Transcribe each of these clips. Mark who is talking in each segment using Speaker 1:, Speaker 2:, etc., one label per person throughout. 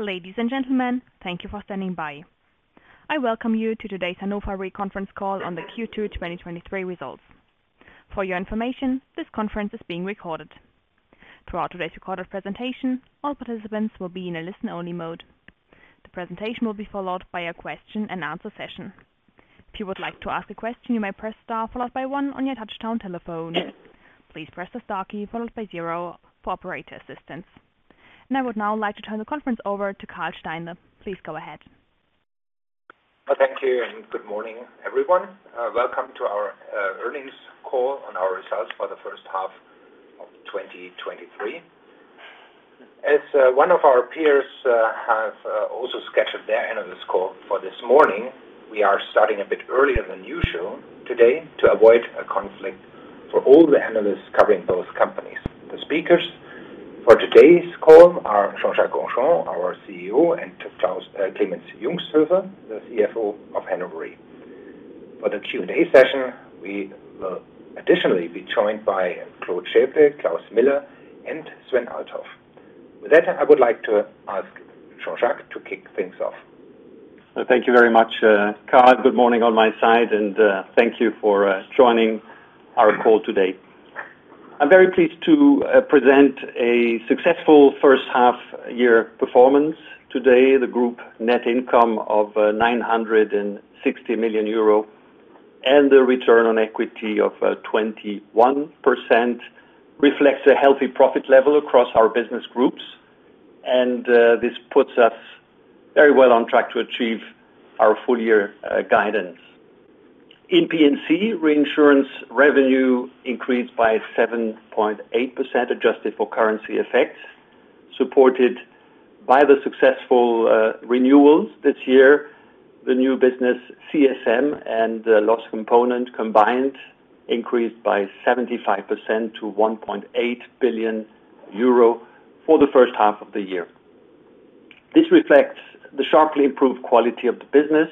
Speaker 1: Ladies and gentlemen, thank you for standing by. I welcome you to today's Hannover Rück conference call on the Q2 2023 results. For your information, this conference is being recorded. Throughout today's recorded presentation, all participants will be in a listen-only mode. The presentation will be followed by a question-and-answer session. If you would like to ask a question, you may press Star followed by one on your touchtone telephone. Please press the Star key followed by zero for operator assistance. I would now like to turn the conference over to Karl Steinle. Please go ahead.
Speaker 2: Thank you. Good morning, everyone. Welcome to our earnings call on our results for the first half of 2023. One of our peers have also scheduled their analyst call for this morning, we are starting a bit earlier than usual today to avoid a conflict for all the analysts covering both companies. The speakers for today's call are Jean-Jacques Henchoz, our CEO, and Clemens Jungsthöfel, the CFO of Hannover Rück. For the Q&A session, we will additionally be joined by Claude Chèvre, Klaus Miller, and Sven Althoff. I would like to ask Jean-Jacques to kick things off.
Speaker 3: Thank you very much, Karl. Good morning on my side, and thank you for joining our call today. I'm very pleased to present a successful first half-year performance today. The Group net income of 960 million euro, and the return on equity of 21% reflects a healthy profit level across our business groups, and this puts us very well on track to achieve our full-year guidance. In P&C, reinsurance revenue increased by 7.8%, adjusted for currency effects, supported by the successful renewals this year. The new business CSM and the loss component combined increased by 75% to 1.8 billion euro for the first half of the year. This reflects the sharply improved quality of the business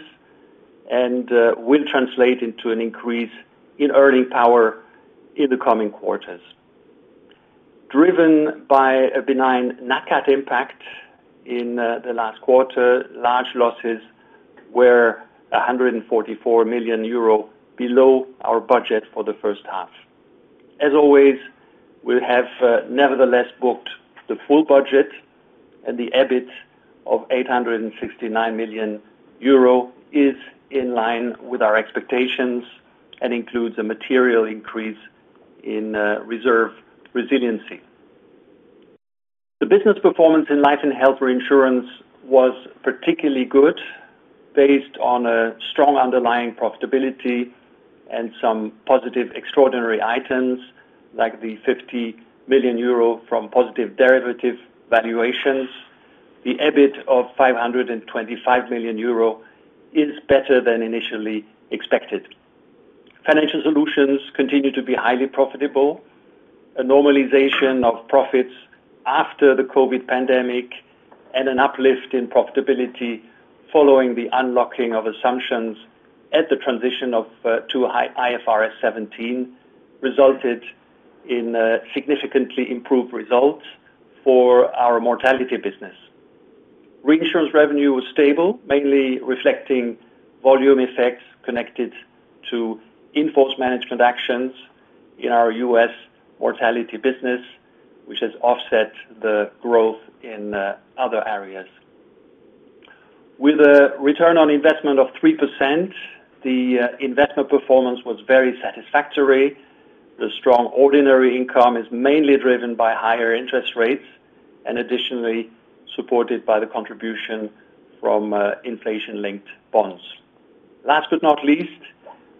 Speaker 3: and will translate into an increase in earning power in the coming quarters. Driven by a benign NatCat impact in the last quarter, large losses were €144 million below our budget for the first half. As always, we have, nevertheless, booked the full budget, and the EBIT of €869 million is in line with our expectations and includes a material increase in reserve resiliency. The business performance in Life & Health reinsurance was particularly good, based on a strong underlying profitability and some positive extraordinary items, like the 50 million euro from positive derivative valuations. The EBIT of 525 million euro is better than initially expected. Financial Solutions continue to be highly profitable. A normalization of profits after the COVID pandemic and an uplift in profitability following the unlocking of assumptions at the transition to IFRS 17, resulted in significantly improved results for our mortality business. Reinsurance revenue was stable, mainly reflecting volume effects connected to in-force management actions in our US mortality business, which has offset the growth in other areas. With a return on investment of 3%, the investment performance was very satisfactory. The strong ordinary income is mainly driven by higher interest rates and additionally supported by the contribution from inflation-linked bonds. Last but not least,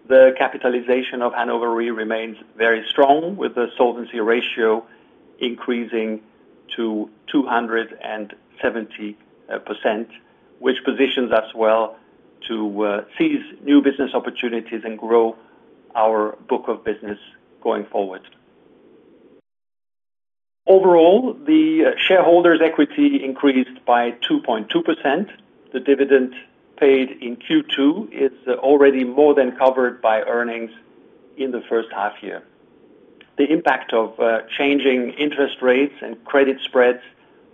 Speaker 3: the capitalization of Hannover Rück remains very strong, with the solvency ratio increasing to 270%, which positions us well to seize new business opportunities and grow our book of business going forward. Overall, the shareholders' equity increased by 2.2%. The dividend paid in Q2 is already more than covered by earnings in the first half-year. The impact of changing interest rates and credit spreads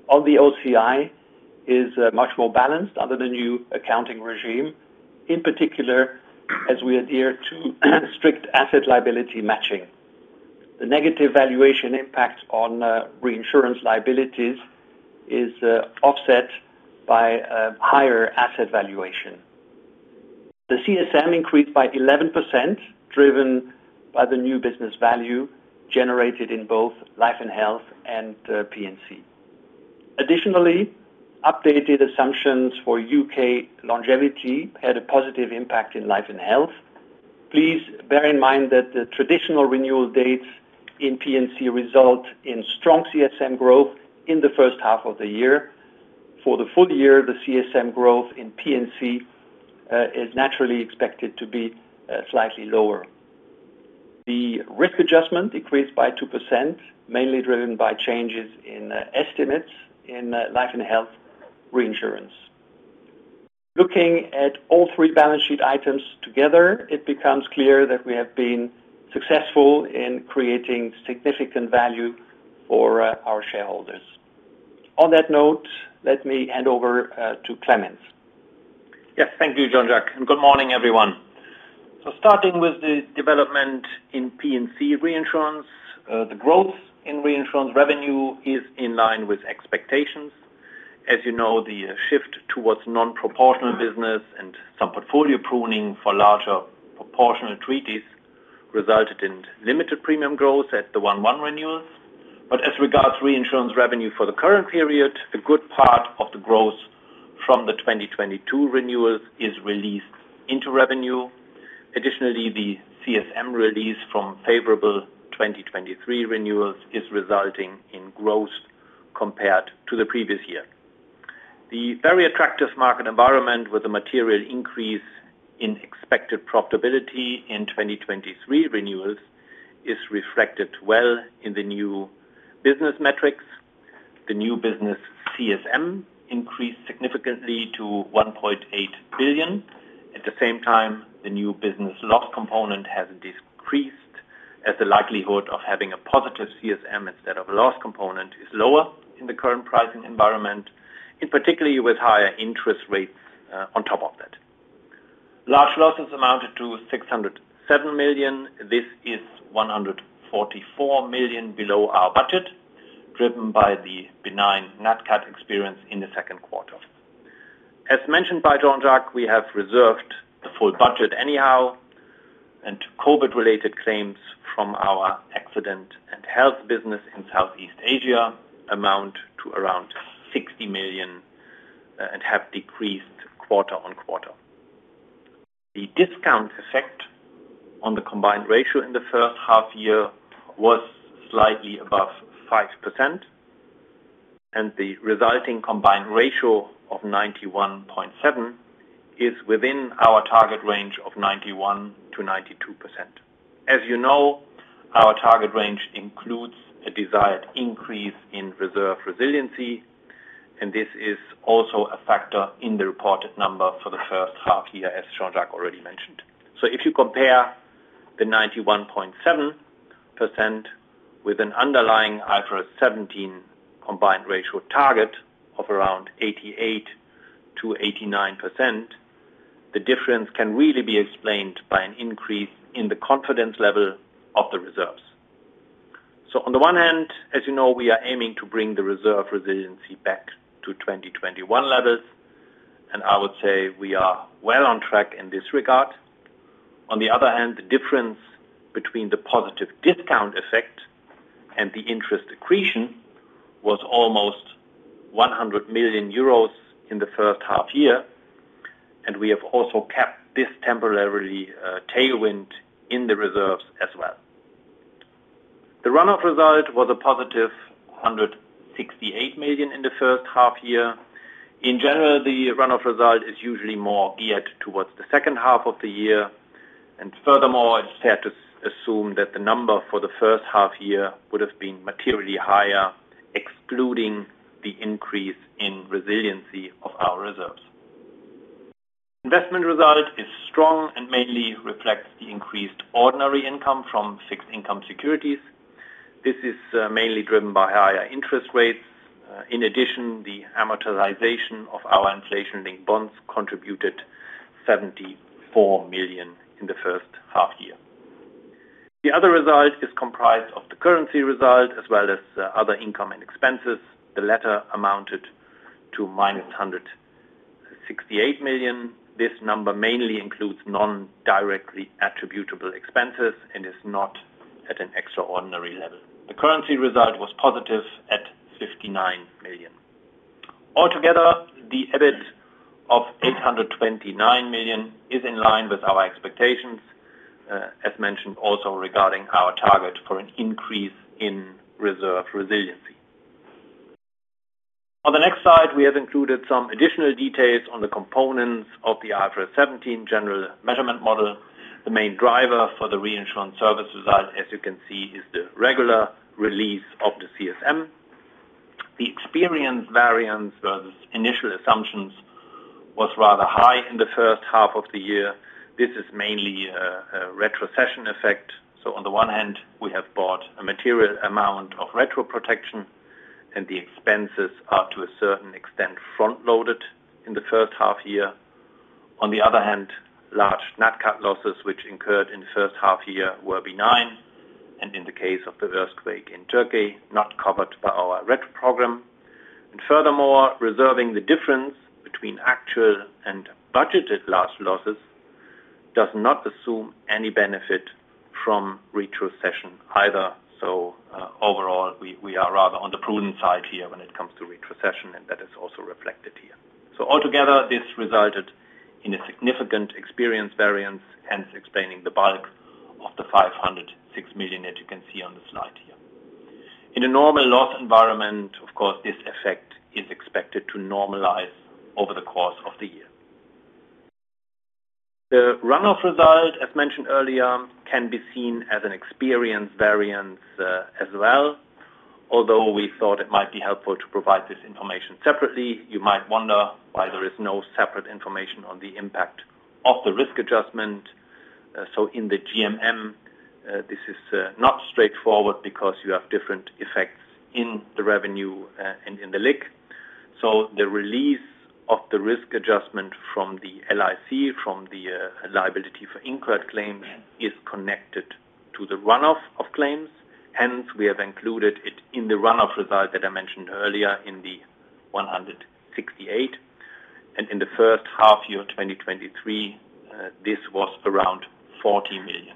Speaker 3: on the OCI is much more balanced under the new accounting regime, in particular, as we adhere to strict asset liability matching. The negative valuation impact on reinsurance liabilities is offset by a higher asset valuation. The CSM increased by 11%, driven by the new business value generated in both Life & Health and P&C. Additionally, updated assumptions for UK longevity had a positive impact in Life & Health. Please bear in mind that the traditional renewal dates in P&C result in strong CSM growth in the first half of the year. For the full year, the CSM growth in P&C, is naturally expected to be, slightly lower. The risk adjustment decreased by 2%, mainly driven by changes in, estimates in, Life & Health reinsurance. Looking at all three balance sheet items together, it becomes clear that we have been successful in creating significant value for, our shareholders. On that note, let me hand over, to Clemens.
Speaker 4: Yes, thank you, Jean-Jacques. Good morning, everyone. Starting with the development in P&C reinsurance, the growth in reinsurance revenue is in line with expectations. As you know, the shift towards non-proportional business and some portfolio pruning for larger proportional treaties resulted in limited premium growth at the 1/1 renewals. As regards reinsurance revenue for the current period, a good part of the growth from the 2022 renewals is released into revenue. Additionally, the CSM release from favorable 2023 renewals is resulting in growth compared to the previous year. The very attractive market environment, with a material increase in expected profitability in 2023 renewals, is reflected well in the new business metrics. The new business CSM increased significantly to 1.8 billion. At the same time, the new business loss component has decreased, as the likelihood of having a positive CSM instead of a loss component is lower in the current pricing environment, and particularly with higher interest rates, on top of that. Large losses amounted to 607 million. This is 144 million below our budget, driven by the benign NatCat experience in the second quarter. As mentioned by Jean-Jacques, we have reserved the full budget anyhow, and COVID-related claims from our accident and health business in Southeast Asia amount to around 60 million, and have decreased quarter on quarter. The discount effect on the combined ratio in the first half year was slightly above 5%, and the resulting combined ratio of 91.7% is within our target range of 91%-92%. As you know, our target range includes a desired increase in reserve resiliency, and this is also a factor in the reported number for the first half-year, as Jean-Jacques already mentioned. If you compare the 91.7% with an underlying IFRS 17 combined ratio target of around 88%-89%, the difference can really be explained by an increase in the confidence level of the reserves. On the one hand, as you know, we are aiming to bring the reserve resiliency back to 2021 levels, and I would say we are well on track in this regard. On the other hand, the difference between the positive discount effect and the interest accretion was almost 100 million euros in the first half-year, and we have also kept this temporarily, tailwind in the reserves as well. The run-off result was positive 168 million in the first half-year. In general, the run-off result is usually more geared towards the second half of the year, furthermore, I just have to assume that the number for the first half-year would have been materially higher, excluding the increase in resiliency of our reserves. Investment result is strong and mainly reflects the increased ordinary income from fixed income securities. This is mainly driven by higher interest rates. In addition, the amortization of our inflation-linked bonds contributed 74 million in the first half-year. The other result is comprised of the currency result as well as other income and expenses. The latter amounted to minus 168 million. This number mainly includes non-directly attributable expenses and is not at an extraordinary level. The currency result was positive at 59 million. Altogether, the EBIT of €829 million is in line with our expectations, as mentioned, also regarding our target for an increase in reserve resiliency. On the next slide, we have included some additional details on the components of the IFRS 17 general measurement model. The main driver for the reinsurance service result, as you can see, is the regular release of the CSM. The experience variance on initial assumptions was rather high in the first half of the year. This is mainly a retrocession effect. On the one hand, we have bought a material amount of retro protection, and the expenses are, to a certain extent, front-loaded in the first half year. On the other hand, large NatCat losses which incurred in the first half year were benign, and in the case of the earthquake in Turkey, not covered by our retro program. Furthermore, reserving the difference between actual and budgeted large losses does not assume any benefit from retrocession either. Overall, we are rather on the prudent side here when it comes to retrocession, and that is also reflected here. Altogether, this resulted in a significant experience variance, hence explaining the bulk of the 506 million, as you can see on the slide here. In a normal loss environment, of course, this effect is expected to normalize over the course of the year. The runoff result, as mentioned earlier, can be seen as an experience variance as well. Although we thought it might be helpful to provide this information separately, you might wonder why there is no separate information on the impact of the risk adjustment. In the GMM, this is not straightforward because you have different effects in the revenue and in the LIC. The release of the risk adjustment from the LIC, from the liability for incurred claims, is connected to the runoff of claims. We have included it in the runoff result that I mentioned earlier in the 168, and in the first half year, 2023, this was around 40 million.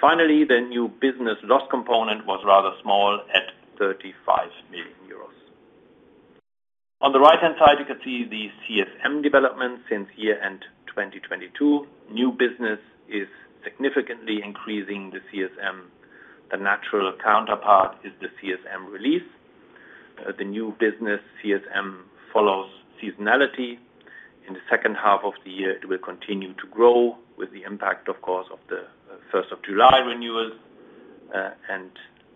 Speaker 4: The new business loss component was rather small at 35 million euros. On the right-hand side, you can see the CSM development since year-end 2022. New business is significantly increasing the CSM. The natural counterpart is the CSM release. The new business CSM follows seasonality. In the second half of the year, it will continue to grow with the impact, of course, of the first of July renewals, and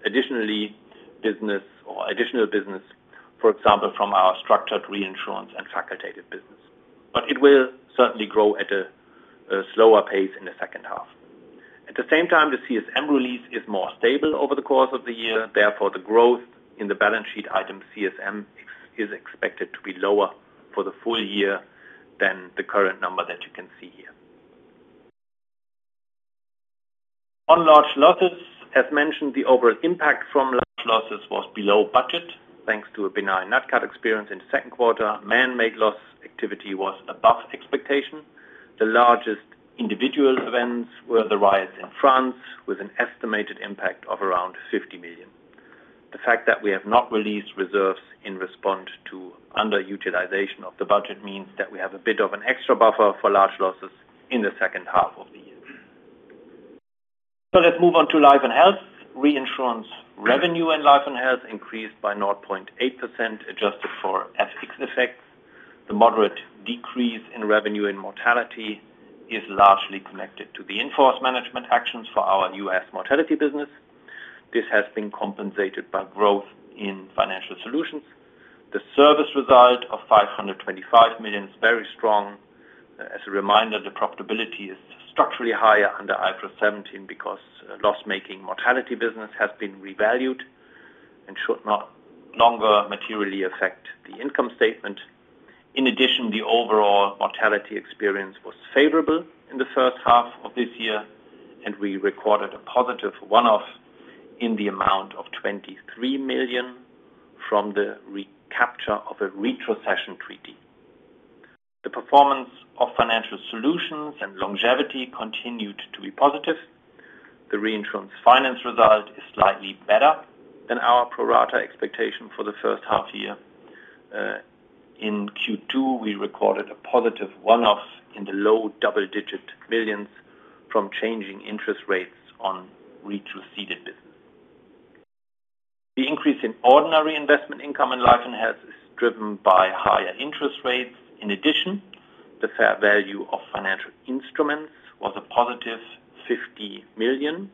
Speaker 4: additionally, business or additional business, for example, from our structured reinsurance and facultative business. It will certainly grow at a, a slower pace in the second half. At the same time, the CSM release is more stable over the course of the year. Therefore, the growth in the balance sheet item CSM ex- is expected to be lower for the full-year than the current number that you can see here. On large losses, as mentioned, the overall impact from large losses was below budget, thanks to a benign NatCat experience in the second quarter. Man-made loss activity was above expectation. The largest individual events were the riots in France, with an estimated impact of around 50 million. The fact that we have not released reserves in response to underutilization of the budget means that we have a bit of an extra buffer for large losses in the second half of the year. Let's move on to Life & Health. Reinsurance revenue in Life & Health increased by 0.8%, adjusted for FX effects. The moderate decrease in revenue and mortality is largely connected to the in-force management actions for our US mortality business. This has been compensated by growth in Financial Solutions. The service result of 525 million is very strong. As a reminder, the profitability is structurally higher under IFRS 17 because loss-making mortality business has been revalued and should not longer materially affect the income statement. In addition, the overall mortality experience was favorable in the first half of this year, and we recorded a positive one-off in the amount of 23 million from the recapture of a retrocession treaty. The performance of Financial Solutions and longevity continued to be positive. The reinsurance finance result is slightly better than our pro rata expectation for the first half-year. In Q2, we recorded a positive one-off in the low double-digit millions from changing interest rates on retro ceded business. The increase in ordinary investment income in Life & Health is driven by higher interest rates. In addition, the fair value of financial instruments was a positive 50 million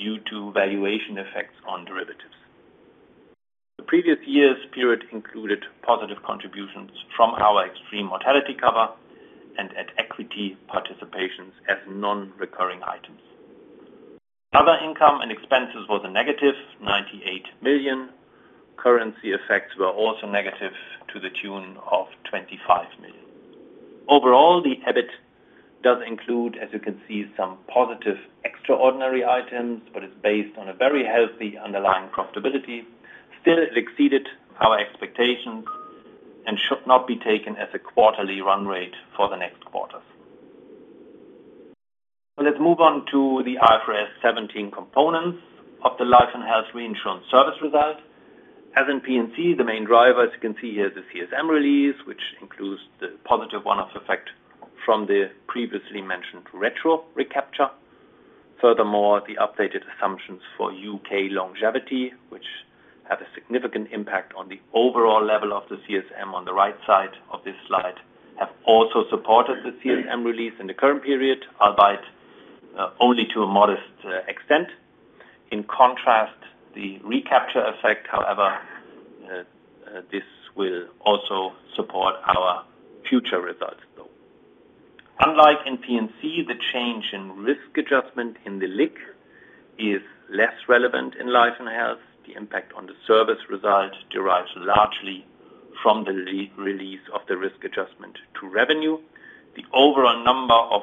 Speaker 4: due to valuation effects on derivatives. The previous year's period included positive contributions from our extreme mortality cover and at equity participations as non-recurring items. Other income and expenses was a negative 98 million. Currency effects were also negative to the tune of 25 million. Overall, the EBIT does include, as you can see, some positive extraordinary items, but it's based on a very healthy underlying profitability. Still, it exceeded our expectations and should not be taken as a quarterly run rate for the next quarters. Let's move on to the IFRS 17 components of the Life & Health reinsurance service result. As in P&C, the main driver, as you can see here, is the CSM release, which includes the positive one-off effect from the previously mentioned retro recapture. Furthermore, the updated assumptions for UK longevity, which have a significant impact on the overall level of the CSM on the right side of this slide, have also supported the CSM release in the current period, albeit only to a modest extent. In contrast, the recapture effect, however, this will also support our future results, though. Unlike in P&C, the change in risk adjustment in the LIC is less relevant in Life & Health. The impact on the service result derives largely from the re-release of the risk adjustment to revenue. The overall number of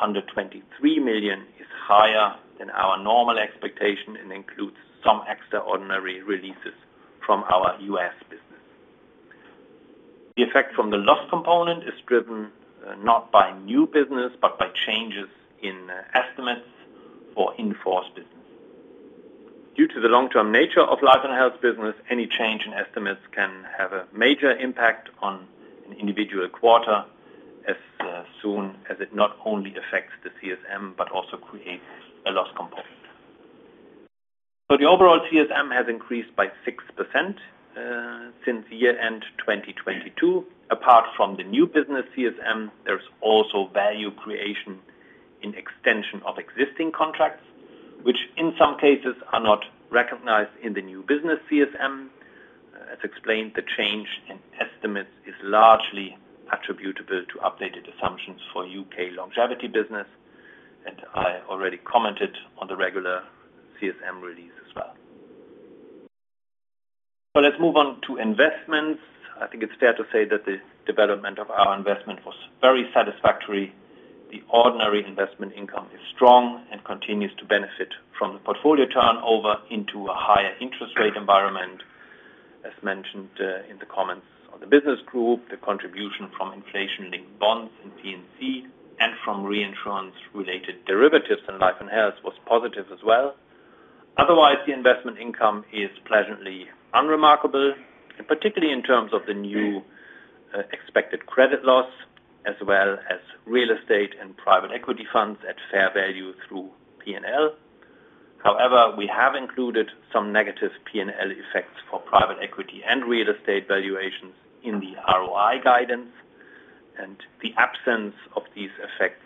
Speaker 4: under 23 million is higher than our normal expectation and includes some extraordinary releases from our US business. The effect from the loss component is driven not by new business, but by changes in estimates for in-force business. Due to the long-term nature of Life & Health business, any change in estimates can have a major impact on an individual quarter as soon as it not only affects the CSM, but also-...The overall CSM has increased by 6%, since year-end 2022. Apart from the new business CSM, there's also value creation in extension of existing contracts, which in some cases are not recognized in the new business CSM. As explained, the change in estimates is largely attributable to updated assumptions for UK longevity business. I already commented on the regular CSM release as well. Let's move on to investments. I think it's fair to say that the development of our investment was very satisfactory. The ordinary investment income is strong and continues to benefit from the portfolio turnover into a higher interest rate environment. As mentioned, in the comments on the business group, the contribution from inflation-linked bonds in P&C, and from reinsurance-related derivatives, and life and health was positive as well. Otherwise, the investment income is pleasantly unremarkable. Particularly in terms of the new expected credit loss, as well as real estate and private equity funds at fair value through P&L. However, we have included some negative P&L effects for private equity and real estate valuations in the ROI guidance, and the absence of these effects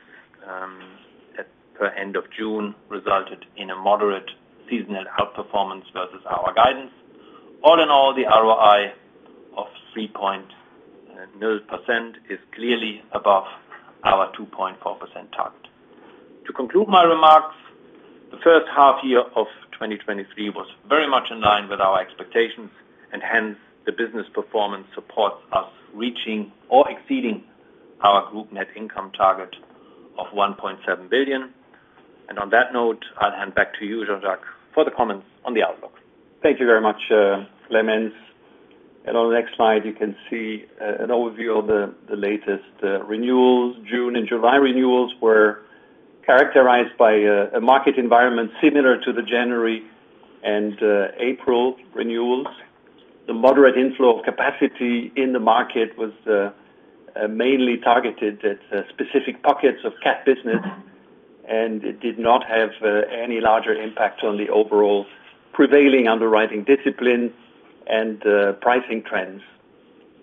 Speaker 4: at per end of June resulted in a moderate seasonal outperformance versus our guidance. All in all, the ROI of 3.0% is clearly above our 2.4% target. To conclude my remarks, the first half year of 2023 was very much in line with our expectations. Hence, the business performance supports us reaching or exceeding our Group net income target of 1.7 billion. On that note, I'll hand back to you, Jean-Jacques, for the comments on the outlook.
Speaker 3: Thank you very much, Clemens. On the next slide, you can see an overview of the, the latest renewals. June and July renewals were characterized by a, a market environment similar to the January and April renewals. The moderate inflow of capacity in the market was mainly targeted at specific pockets of cat business, and it did not have any larger impact on the overall prevailing underwriting disciplines and pricing trends.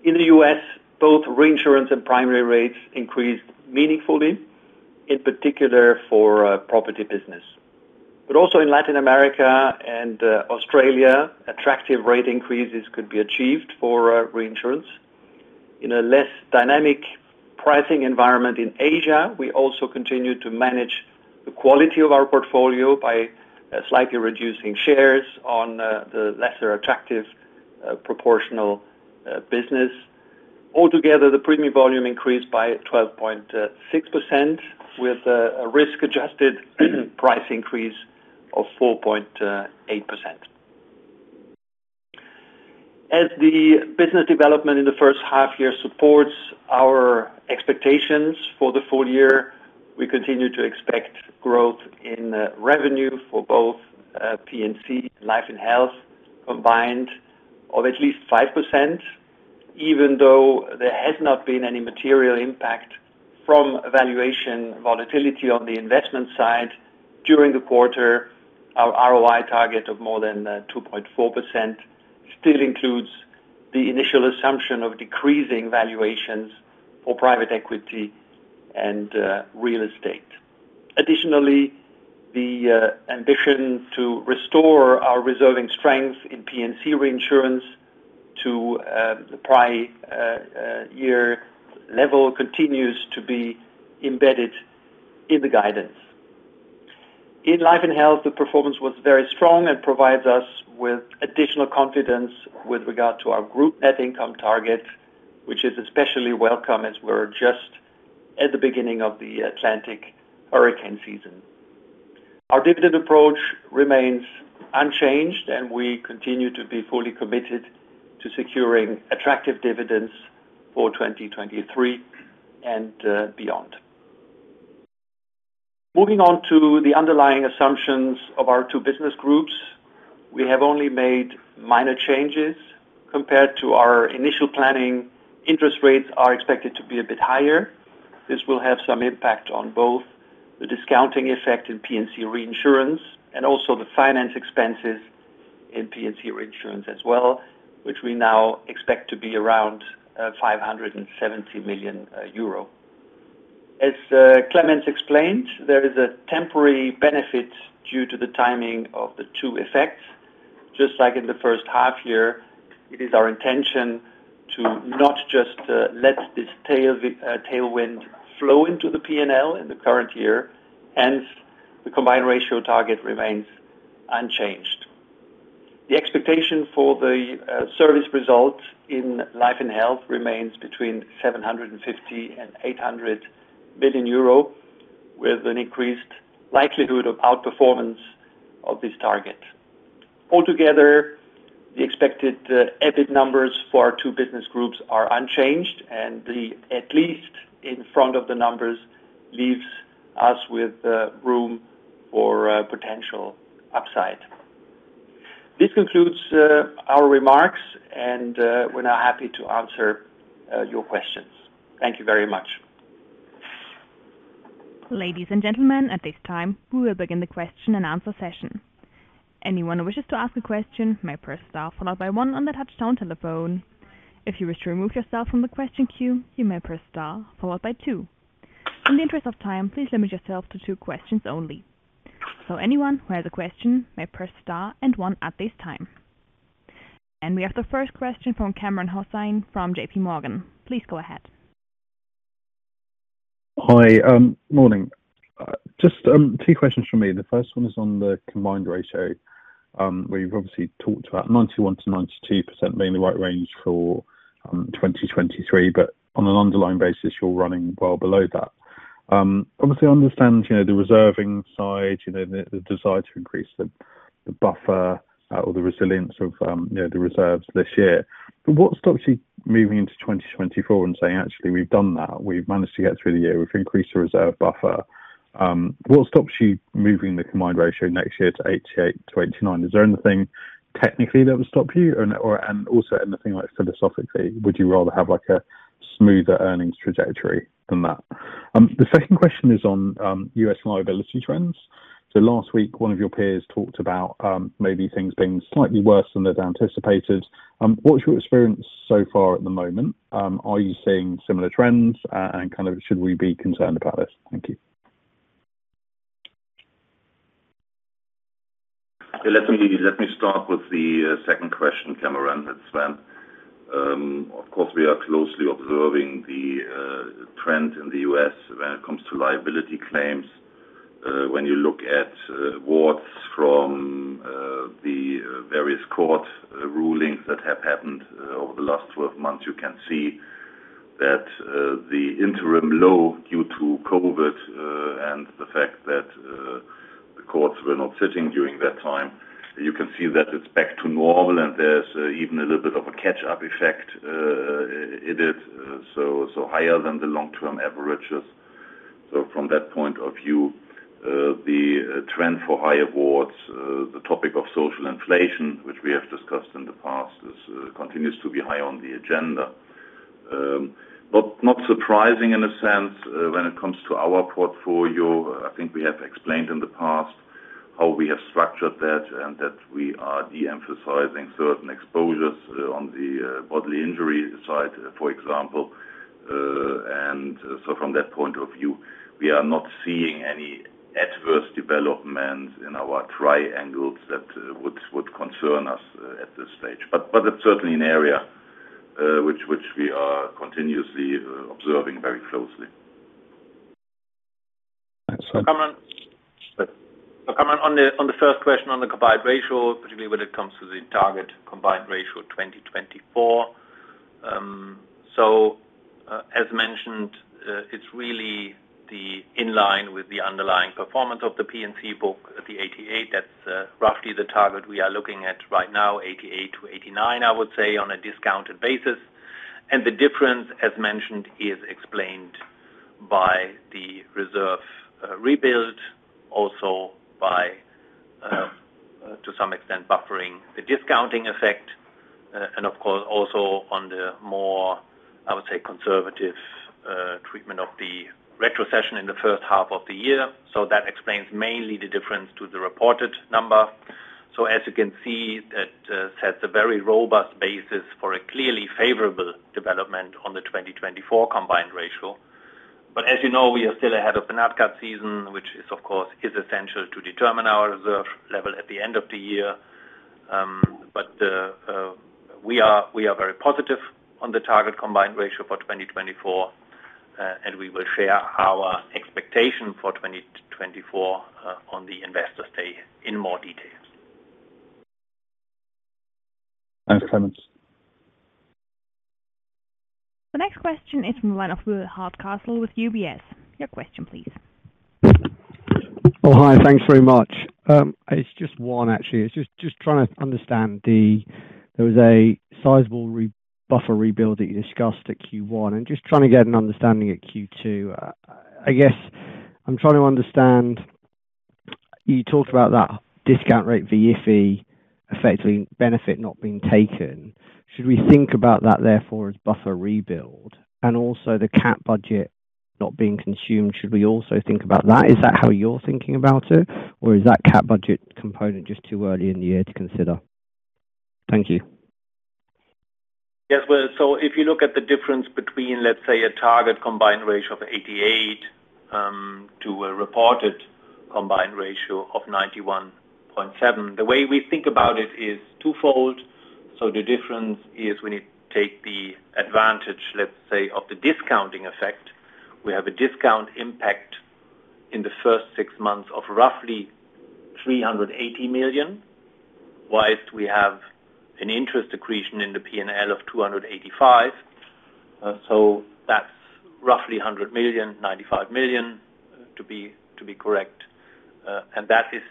Speaker 3: In the U.S., both reinsurance and primary rates increased meaningfully, in particular for property business. Also in Latin America and Australia, attractive rate increases could be achieved for reinsurance. In a less dynamic pricing environment in Asia, we also continued to manage the quality of our portfolio by slightly reducing shares on the lesser attractive proportional business. Altogether, the premium volume increased by 12.6%, with a risk-adjusted price increase of 4.8%. As the business development in the first half year supports our expectations for the full year, we continue to expect growth in revenue for both P&C, Life & Health, combined of at least 5%, even though there has not been any material impact from valuation volatility on the investment side during the quarter, our ROI target of more than 2.4% still includes the initial assumption of decreasing valuations for private equity and real estate. Additionally, the ambition to restore our reserving strength in P&C reinsurance to the prior year level continues to be embedded in the guidance. In Life & Health, the performance was very strong and provides us with additional confidence with regard to our Group net income target, which is especially welcome as we're just at the beginning of the Atlantic hurricane season. Our dividend approach remains unchanged. We continue to be fully committed to securing attractive dividends for 2023 and beyond. Moving on to the underlying assumptions of our two business groups, we have only made minor changes compared to our initial planning. Interest rates are expected to be a bit higher. This will have some impact on both the discounting effect in P&C reinsurance and also the finance expenses in P&C reinsurance as well, which we now expect to be around 570 million euro. As Clemens explained, there is a temporary benefit due to the timing of the two effects. Just like in the first half-year, it is our intention to not just let this tail tailwind flow into the P&L in the current year, hence, the combined ratio target remains unchanged. The expectation for the service result in Life & Health remains between 750 billion and 800 billion euro, with an increased likelihood of outperformance of this target. Altogether, the expected EBIT numbers for our two business groups are unchanged, and the at least in front of the numbers leaves us with room for potential upside. This concludes our remarks, and we're now happy to answer your questions. Thank you very much.
Speaker 1: Ladies and gentlemen, at this time, we will begin the Q&A session. Anyone who wishes to ask a question may press star followed by one on the touchtone telephone. If you wish to remove yourself from the question queue, you may press star followed by two. In the interest of time, please limit yourself to two questions only. Anyone who has a question may press star and one at this time. We have the first question from Kamran Hossain from J.P. Morgan. Please go ahead.
Speaker 5: Hi, morning. Just two questions from me. The first one is on the combined ratio, where you've obviously talked about 91%-92% being the right range for 2023, but on an underlying basis, you're running well below that. Obviously, I understand, you know, the reserving side, you know, the desire to increase the buffer or the resilience of, you know, the reserves this year. What stops you moving into 2024 and saying, "Actually, we've done that. We've managed to get through the year. We've increased the reserve buffer." What stops you moving the combined ratio next year to 88%-89%? Is there anything technically that would stop you? Also anything, like, philosophically, would you rather have, like, a smoother earnings trajectory than that? The second question is on US liability trends. Last week, one of your peers talked about maybe things being slightly worse than they've anticipated. What's your experience so far at the moment? Are you seeing similar trends, and kind of should we be concerned about this? Thank you.
Speaker 6: Let me, let me start with the second question, Kamran. That's when, of course, we are closely observing the trend in the U.S. when it comes to liability claims. When you look at awards from the various court rulings that have happened over the last 12 months, you can see that the interim low due to COVID, and the fact that the courts were not sitting during that time. You can see that it's back to normal, and there's even a little bit of a catch-up effect. It is so, so higher than the long-term averages. From that point of view, the trend for high awards, the topic of social inflation, which we have discussed in the past, continues to be high on the agenda. Not surprising in a sense, when it comes to our portfolio. I think we have explained in the past how we have structured that, and that we are de-emphasizing certain exposures, on the bodily injury side, for example. From that point of view, we are not seeing any adverse developments in our triangles that would concern us at this stage. That's certainly an area which we are continuously observing very closely.
Speaker 5: Thanks.
Speaker 4: Kamran. Kamran, on the, on the first question on the combined ratio, particularly when it comes to the target combined ratio 2024. As mentioned, it's really the inline with the underlying performance of the P&C book, the 88. That's roughly the target we are looking at right now, 88-89, I would say, on a discounted basis. The difference, as mentioned, is explained by the reserve rebuild, also by to some extent, buffering the discounting effect, and of course, also on the more, I would say, conservative treatment of the retrocession in the first half of the year. That explains mainly the difference to the reported number. As you can see, that sets a very robust basis for a clearly favorable development on the 2024 combined ratio. As you know, we are still ahead of NatCat season, which is, of course, essential to determine our reserve level at the end of the year. We are very positive on the target combined ratio for 2024, and we will share our expectation for 2024 on the Investor Day in more detail.
Speaker 5: Thanks, Clemens.
Speaker 1: The next question is from one of Will Hardcastle with UBS. Your question, please.
Speaker 7: Oh, hi, thanks very much. It's just one, actually. It's just trying to understand the... There was a sizable re- buffer rebuild that you discussed at Q1. Just trying to get an understanding at Q2. I guess I'm trying to understand, you talked about that discount rate VFE, effectively benefit not being taken. Should we think about that therefore as buffer rebuild? Also the cat budget not being consumed, should we also think about that? Is that how you're thinking about it, or is that cat budget component just too early in the year to consider? Thank you.
Speaker 4: Well, if you look at the difference between, let's say, a target combined ratio of 88 to a reported combined ratio of 91.7, the way we think about it is twofold. The difference is when you take the advantage, let's say, of the discounting effect, we have a discount impact in the first six months of roughly 380 million, whilst we have an interest accretion in the P&L of 285 million. That's roughly 100 million, 95 million, to be correct, and that is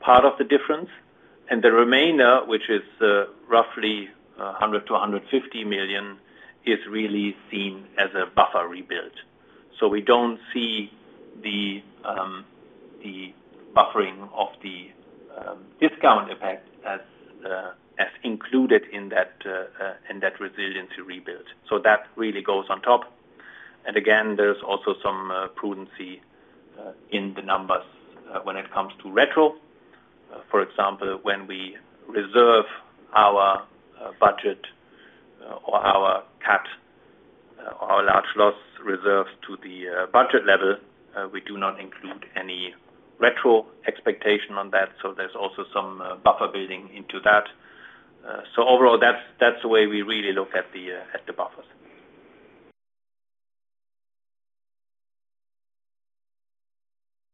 Speaker 4: part of the difference. The remainder, which is roughly 100 million-150 million, is really seen as a buffer rebuild. We don't see the discount impact as included in that in that resiliency rebuild. That really goes on top. Again, there's also some prudency in the numbers when it comes to retro. For example, when we reserve our budget or our cat, or our large loss reserves to the budget level, we do not include any retro expectation on that, so there's also some buffer building into that. Overall, that's the way we really look at the buffers.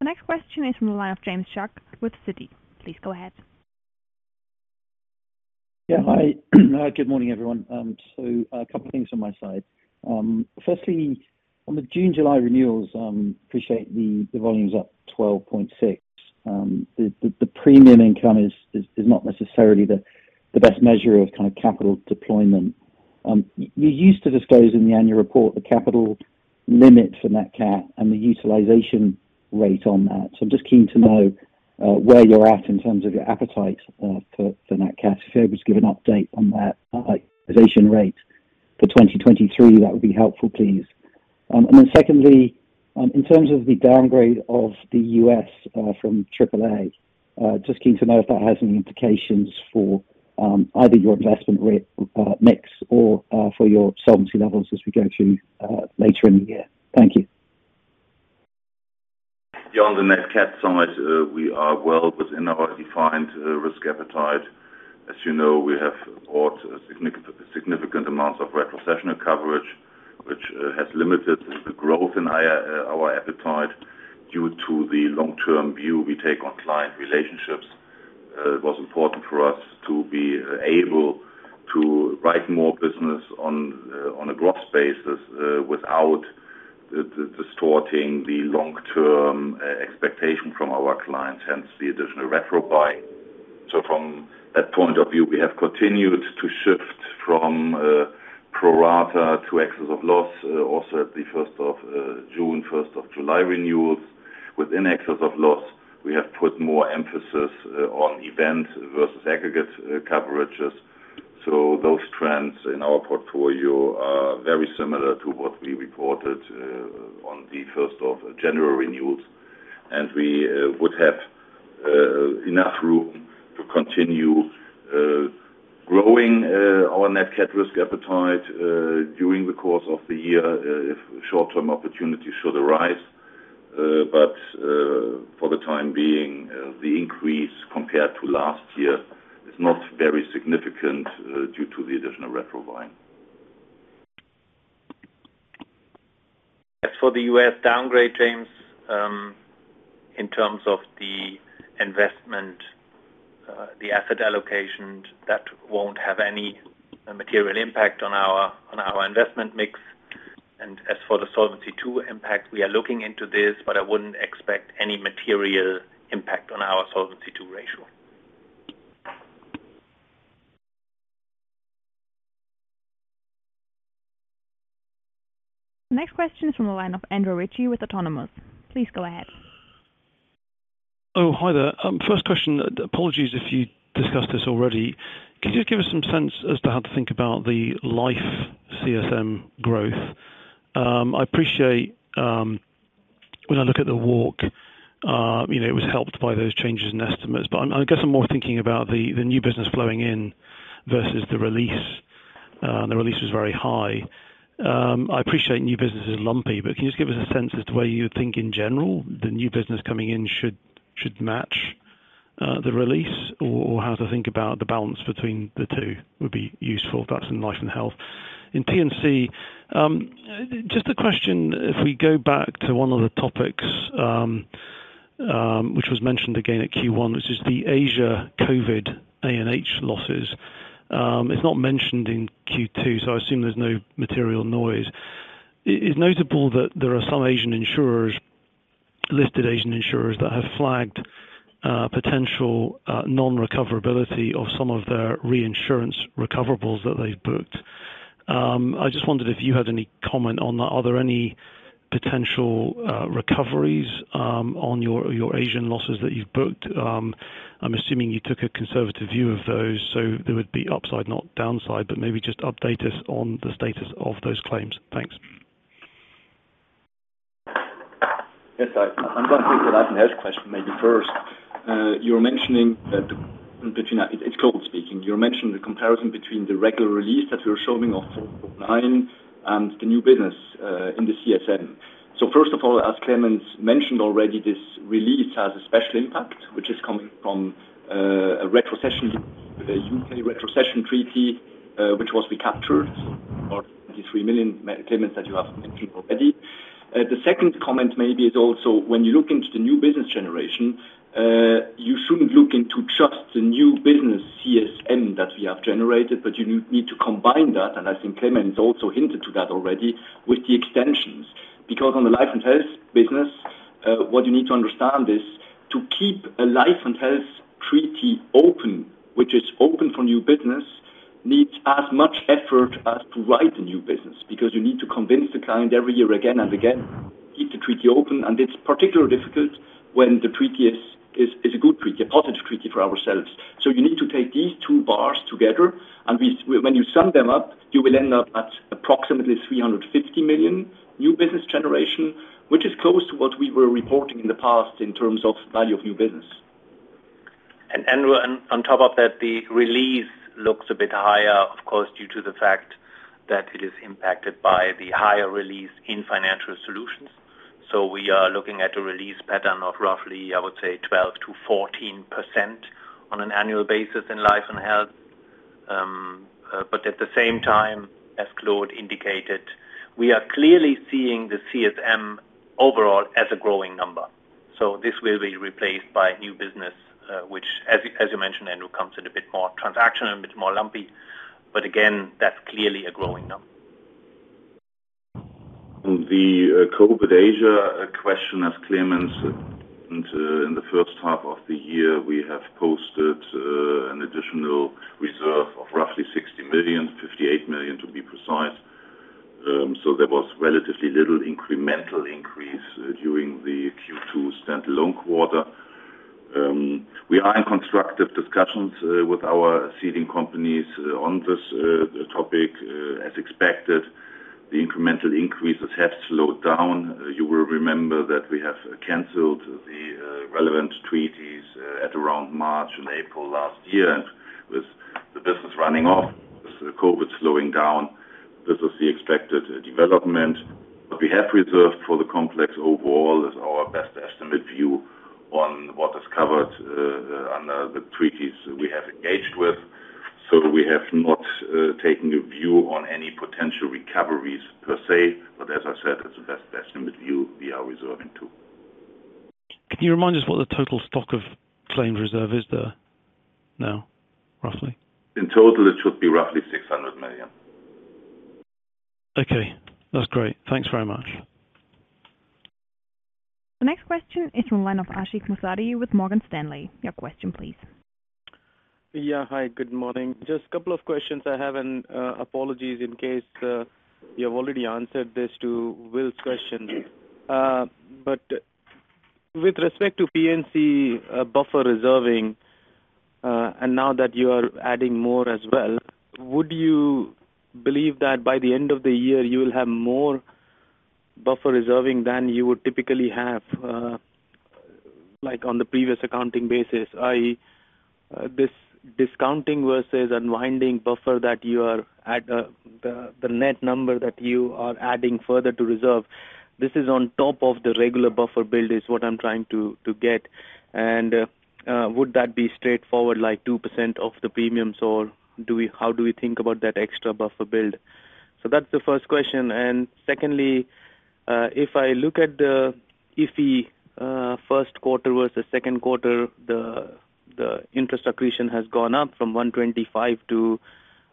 Speaker 1: The next question is from the line of James Chuck with Citi. Please go ahead.
Speaker 8: Yeah. Hi. Good morning, everyone. A couple of things on my side. Firstly, on the June, July renewals, appreciate the, the volume's up 12.6. The, the, the premium income is, is, is not necessarily the, the best measure of kind of capital deployment. You used to disclose in the annual report the capital limit for NatCat and the utilization rate on that. I'm just keen to know where you're at in terms of your appetite for, for NatCat. If you could just give an update on that utilization rate for 2023, that would be helpful, please. Secondly, in terms of the downgrade of the U.S., just keen to know if that has any implications for either your investment rate mix or for your solvency levels as we go to later in the year. Thank you.
Speaker 6: Yeah, on the NatCat side, we are well within our defined risk appetite. As you know, we have bought significant, significant amounts of retrocessional coverage, which has limited the growth in our appetite due to the long-term view we take on client relationships. It was important for us to be able to write more business on a gross basis, without the, the distorting the long-term expectation from our clients, hence the additional retro buy. From that point of view, we have continued to shift from pro rata to excess of loss, also at the 1st of June, 1st of July renewals. Within excess of loss, we have put more emphasis on event versus aggregate coverages. Those trends in our portfolio are very similar to what we reported on the first of January renewals, and we would have enough room to continue growing our NatCat risk appetite during the course of the year if short-term opportunities should arise. For the time being, the increase compared to last year is not very significant due to the additional retro buying.
Speaker 4: As for the US downgrade, James, in terms of the investment, the asset allocation, that won't have any material impact on our, on our investment mix. As for the Solvency II impact, we are looking into this, but I wouldn't expect any material impact on our Solvency II ratio.
Speaker 1: The next question is from the line of Andrew Ritchie with Autonomous. Please go ahead.
Speaker 9: Oh, hi there. First question, apologies if you discussed this already. Could you just give us some sense as to how to think about the Life CSM Growth? I appreciate, when I look at the walk, you know, it was helped by those changes in estimates, but I'm, I guess I'm more thinking about the new business flowing in versus the release. The release was very high. I appreciate new business is lumpy, but can you just give us a sense as to where you think in general, the new business coming in should, should match the release? How to think about the balance between the two would be useful. That's in Life & Health. In P&C, just a question, if we go back to one of the topics, which was mentioned again at Q1, which is the Asia COVID A&H losses. It's not mentioned in Q2, so I assume there's no material noise. It is notable that there are some Asian insurers, listed Asian insurers, that have flagged potential non-recoverability of some of their reinsurance recoverables that they've booked. I just wondered if you had any comment on that. Are there any potential recoveries on your, your Asian losses that you've booked? I'm assuming you took a conservative view of those, so there would be upside, not downside, but maybe just update us on the status of those claims. Thanks.
Speaker 10: Yes, I, I'm going to take the Life & Health question maybe first. You're mentioning that. It's global speaking. You're mentioning the comparison between the regular release that we're showing of 4.9 and the new business, in the CSM. First of all, as Clemens mentioned already, this release has a special impact, which is coming from, a retrocession, a UK retrocession treaty, which was recaptured, or 23 million claims that you have mentioned already. The second comment maybe is also, when you look into the new business generation, you shouldn't look into just the new business CSM that we have generated, but you need to combine that, and I think Clemens also hinted to that already, with the extensions. On the life and health business, what you need to understand is to keep a life and health treaty open, which is open for new business. ... needs as much effort as to write a new business, because you need to convince the client every year again and again, keep the treaty open. It's particularly difficult when the treaty is, is, is a good treaty, a positive treaty for ourselves. You need to take these two bars together, when you sum them up, you will end up at approximately 350 million new business generation, which is close to what we were reporting in the past in terms of value of new business.
Speaker 4: Andrew, on, on top of that, the release looks a bit higher, of course, due to the fact that it is impacted by the higher release in Financial Solutions. We are looking at a release pattern of roughly, I would say, 12%-14% on an annual basis in Life & Health. But at the same time, as Claude indicated, we are clearly seeing the CSM overall as a growing number. This will be replaced by new business, which, as, as you mentioned, Andrew, comes in a bit more transactional, and a bit more lumpy. Again, that's clearly a growing number.
Speaker 6: On the COVID Asia question, as Clemens, in the first half of the year, we have posted an additional reserve of roughly 60 million, 58 million, to be precise. There was relatively little incremental increase during the Q2 standalone quarter. We are in constructive discussions with our seeding companies on this topic. As expected, the incremental increases have slowed down. You will remember that we have canceled the relevant treaties at around March and April 2022, and with the business running off, with COVID slowing down, this is the expected development. What we have reserved for the complex overall is our best estimate view on what is covered under the treaties we have engaged with. We have not taken a view on any potential recoveries per se, but as I said, it's the best estimate view we are reserving to.
Speaker 9: Can you remind us what the total stock of claimed reserve is there now, roughly?
Speaker 6: In total, it should be roughly 600 million.
Speaker 9: Okay, that's great. Thanks very much.
Speaker 1: The next question is from the line of Ashik Musaddi with Morgan Stanley. Your question, please.
Speaker 11: Yeah. Hi, good morning. Just a couple of questions I have, and apologies in case you have already answered this to Will's question. With respect to P&C buffer reserving, and now that you are adding more as well, would you believe that by the end of the year, you will have more buffer reserving than you would typically have like on the previous accounting basis, i.e., this discounting versus unwinding buffer that you are at the net number that you are adding further to reserve? This is on top of the regular buffer build, is what I'm trying to get. Would that be straightforward, like 2% of the premiums, or do we how do we think about that extra buffer build? That's the first question. Secondly, if I look at the, if the, first quarter versus second quarter, the, the interest accretion has gone up from 125 million to,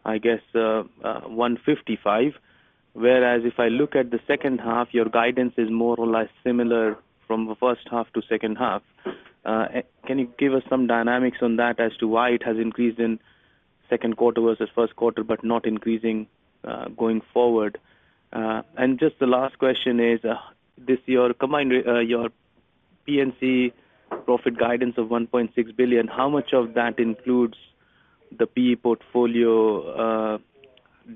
Speaker 11: I guess, 155 million, whereas, if I look at the second half, your guidance is more or less similar from the first half to second half. Can you give us some dynamics on that as to why it has increased in second quarter versus first quarter, but not increasing going forward? Just the last question is, this year, combined, your P&C profit guidance of 1.6 billion, how much of that includes the P portfolio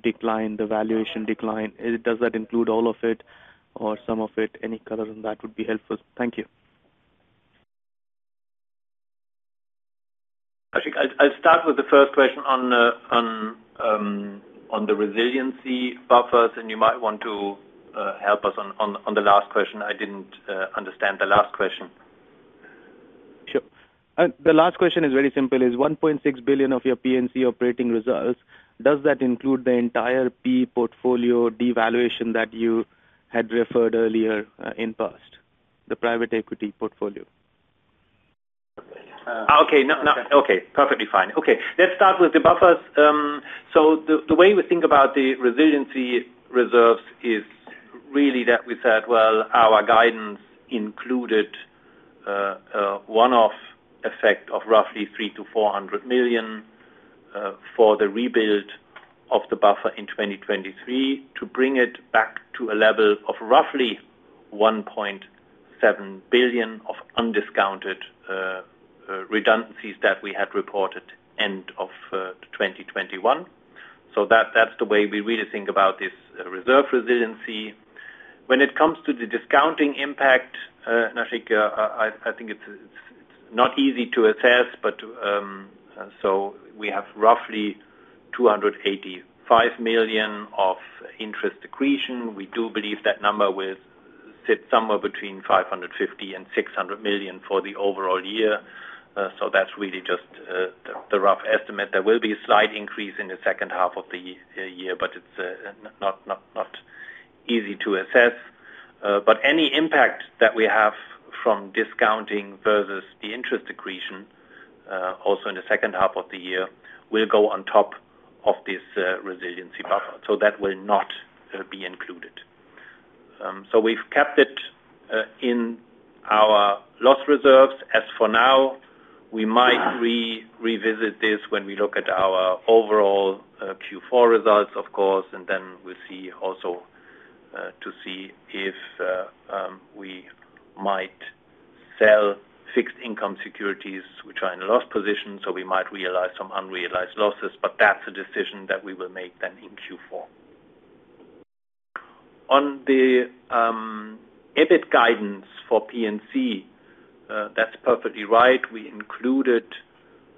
Speaker 11: decline, the valuation decline? Does that include all of it or some of it? Any color on that would be helpful. Thank you.
Speaker 4: Ashik, I, I'll start with the first question on the resiliency buffers, and you might want to help us on the last question. I didn't understand the last question.
Speaker 11: Sure. The last question is very simple. Is 1.6 billion of your P&C operating reserves, does that include the entire P portfolio devaluation that you had referred earlier, in past, the private equity portfolio?
Speaker 4: Okay, perfectly fine. Let's start with the buffers. The way we think about the resiliency reserves is really that we said, well, our guidance included a one-off effect of roughly 300 million-400 million for the rebuild of the buffer in 2023, to bring it back to a level of roughly 1.7 billion of undiscounted redundancies that we had reported end of 2021. That, that's the way we really think about this reserve resiliency. When it comes to the discounting impact, Ashik, I, I think it's not easy to assess, but, we have roughly 285 million of interest accretion. We do believe that number will sit somewhere between 550 million-600 million for the overall year. That's really just the rough estimate. There will be a slight increase in the second half of the year, but it's not, not, not easy to assess. Any impact that we have from discounting versus the interest accretion, also in the second half of the year, will go on top of this resiliency buffer, so that will not be included. We've kept it in our loss reserves. As for now, we might revisit this when we look at our overall Q4 results, of course. Then we'll see also to see if we might sell fixed income securities which are in a loss position, so we might realize some unrealized losses, but that's a decision that we will make then in Q4. On the EBIT guidance for P&C, that's perfectly right. We included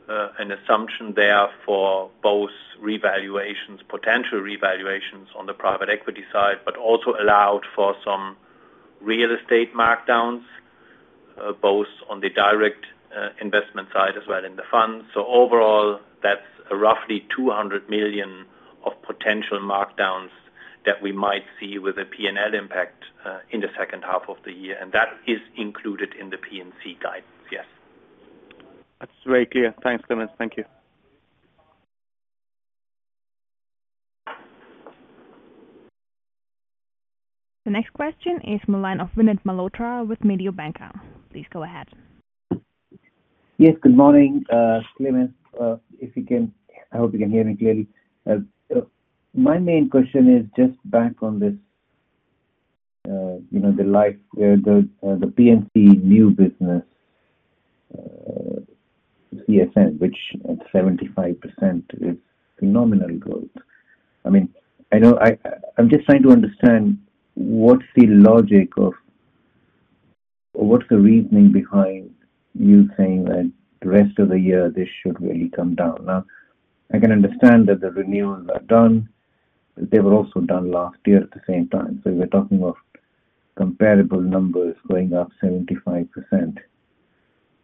Speaker 4: an assumption there for both revaluations, potential revaluations on the private equity side, but also allowed for some real estate markdowns, both on the direct investment side as well in the fund. Overall, that's roughly 200 million of potential markdowns that we might see with a P&L impact in the second half of the year, and that is included in the P&C guidance. Yes.
Speaker 11: That's very clear. Thanks, Clemens. Thank you.
Speaker 1: The next question is from the line of Vinit Malhotra with Mediobanca. Please go ahead.
Speaker 12: Yes, good morning, Clemens. I hope you can hear me clearly. So my main question is just back on this, you know, the life, the P&C new business CSM, which at 75% is phenomenal growth. I mean, I'm just trying to understand what's the logic of or what's the reasoning behind you saying that the rest of the year this should really come down? Now, I can understand that the renewals are done, but they were also done last year at the same time. So we're talking of comparable numbers going up 75%.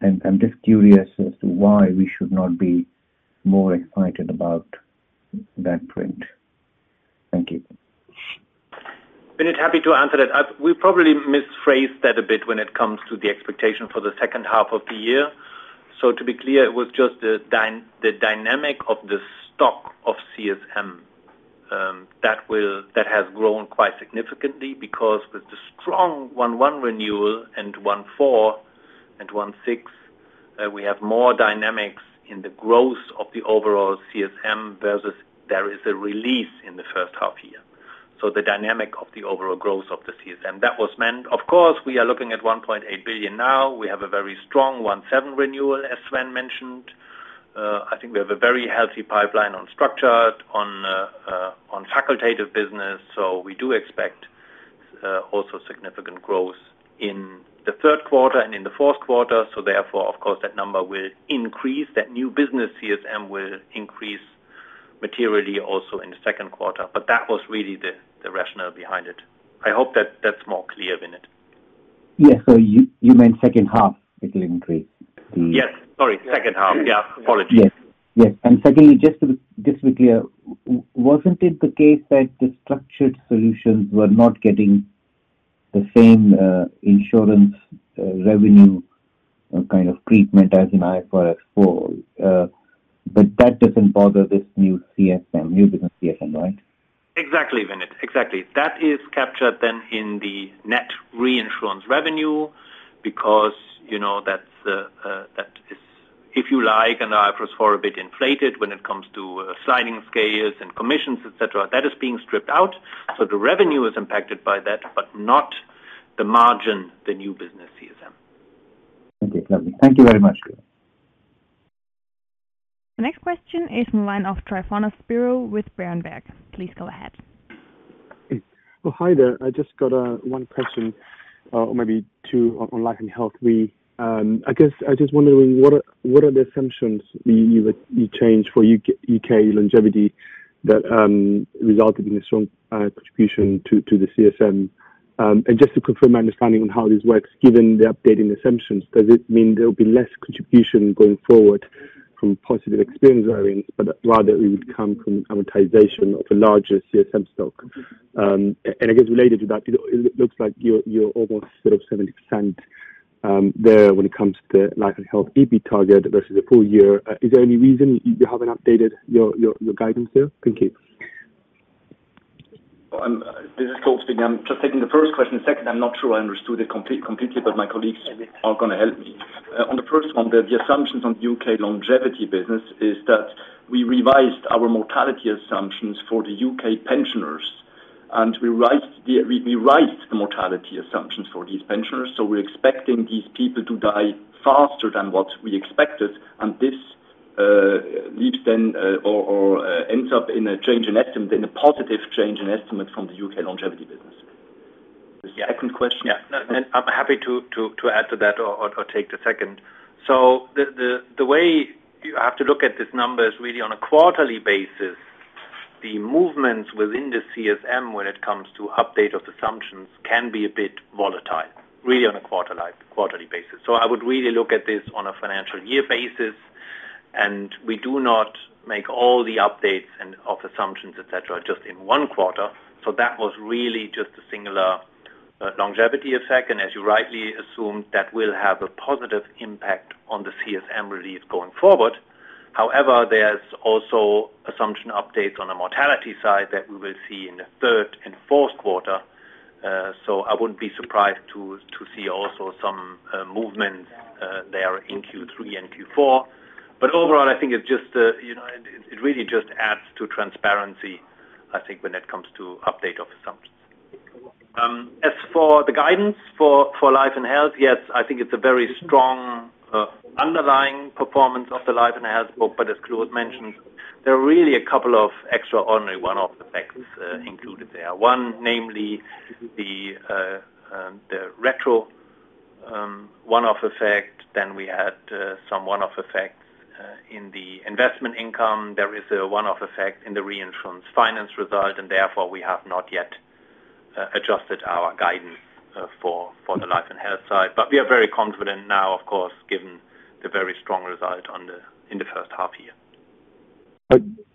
Speaker 12: I'm just curious as to why we should not be more excited about that point. Thank you.
Speaker 4: Vinit, happy to answer that. We probably misphrased that a bit when it comes to the expectation for the second half of the year. To be clear, it was just the dynamic of the stock of CSM, that has grown quite significantly because with the strong one-one renewal and one-four and one-six, we have more dynamics in the growth of the overall CSM versus there is a release in the first half-year. The dynamic of the overall growth of the CSM, that was meant. Of course, we are looking at 1.8 billion now. We have a very strong one-seven renewal, as Sven mentioned. I think we have a very healthy pipeline on structured, on facultative business, we do expect also significant growth in the third quarter and in the fourth quarter. Therefore, of course, that number will increase, that new business CSM will increase materially also in the second quarter. That was really the rationale behind it. I hope that that's more clear, Vinit.
Speaker 12: Yes. You, you meant second half it will increase?
Speaker 4: Yes, sorry. Second half. Yeah. Apologies.
Speaker 12: Yes. Yes. Secondly, just to, just to be clear, wasn't it the case that the structured solutions were not getting the same insurance revenue kind of treatment as in IFRS 4? That doesn't bother this new CSM, new business CSM, right?
Speaker 4: Exactly, Vinit. Exactly. That is captured then in the net reinsurance revenue because, you know, that's the, that is, if you like, and IFRS 4 a bit inflated when it comes to sliding scales and commissions, et cetera, that is being stripped out. The revenue is impacted by that, but not the margin, the new business CSM.
Speaker 12: Okay, lovely. Thank you very much.
Speaker 1: The next question is from the line of Tryfonas Spyrou with Berenberg. Please go ahead.
Speaker 13: Well, hi there. I just got one question, or maybe two on life and health. We, I guess I'm just wondering, what are, what are the assumptions you, you, you changed for UK longevity that resulted in a strong contribution to the CSM? Just to confirm my understanding on how this works, given the update in the assumptions, does it mean there will be less contribution going forward from positive experience variants, but rather it would come from amortization of a larger CSM stock? I guess related to that, it, it looks like you're, you're almost sort of 70% there when it comes to Life & Health EBIT target versus the full year. Is there any reason you haven't updated your, your, your guidance there? Thank you.
Speaker 10: This is Claus speaking. I'm just taking the first question. The second, I'm not sure I understood it completely, but my colleagues are going to help me. On the first one, the assumptions on UK longevity business is that we revised our mortality assumptions for the UK pensioners, and we raised the mortality assumptions for these pensioners, so we're expecting these people to die faster than what we expected, this leads then or ends up in a change in estimate, in a positive change in estimate from the UK longevity business. The second question?
Speaker 4: Yeah. I'm happy to add to that or take the second. The way you have to look at this number is really on a quarterly basis. The movements within the CSM when it comes to update of assumptions can be a bit volatile, really on a quarterly basis. I would really look at this on a financial year basis, and we do not make all the updates and of assumptions, et cetera, just in one quarter. That was really just a singular longevity effect. As you rightly assumed, that will have a positive impact on the CSM release going forward. however, there's also assumption updates on the mortality side that we will see in the third and fourth quarter, so I wouldn't be surprised to, to see also some movement there in Q3 and Q4. But overall, I think it just, you know, it, it, it really just adds to transparency, I think, when it comes to update of assumptions. As for the guidance for, for life and health, yes, I think it's a very strong underlying performance of the life and health. But as Claude Chèvre mentioned, there are really a couple of extraordinary one-off effects included there. One, namely, the, the retro, one-off effect, then we had some one-off effects in the investment income. There is a one-off effect in the reinsurance finance result. Therefore, we have not yet adjusted our guidance, for the Life & Health side. We are very confident now, of course, given the very strong result in the first half-year.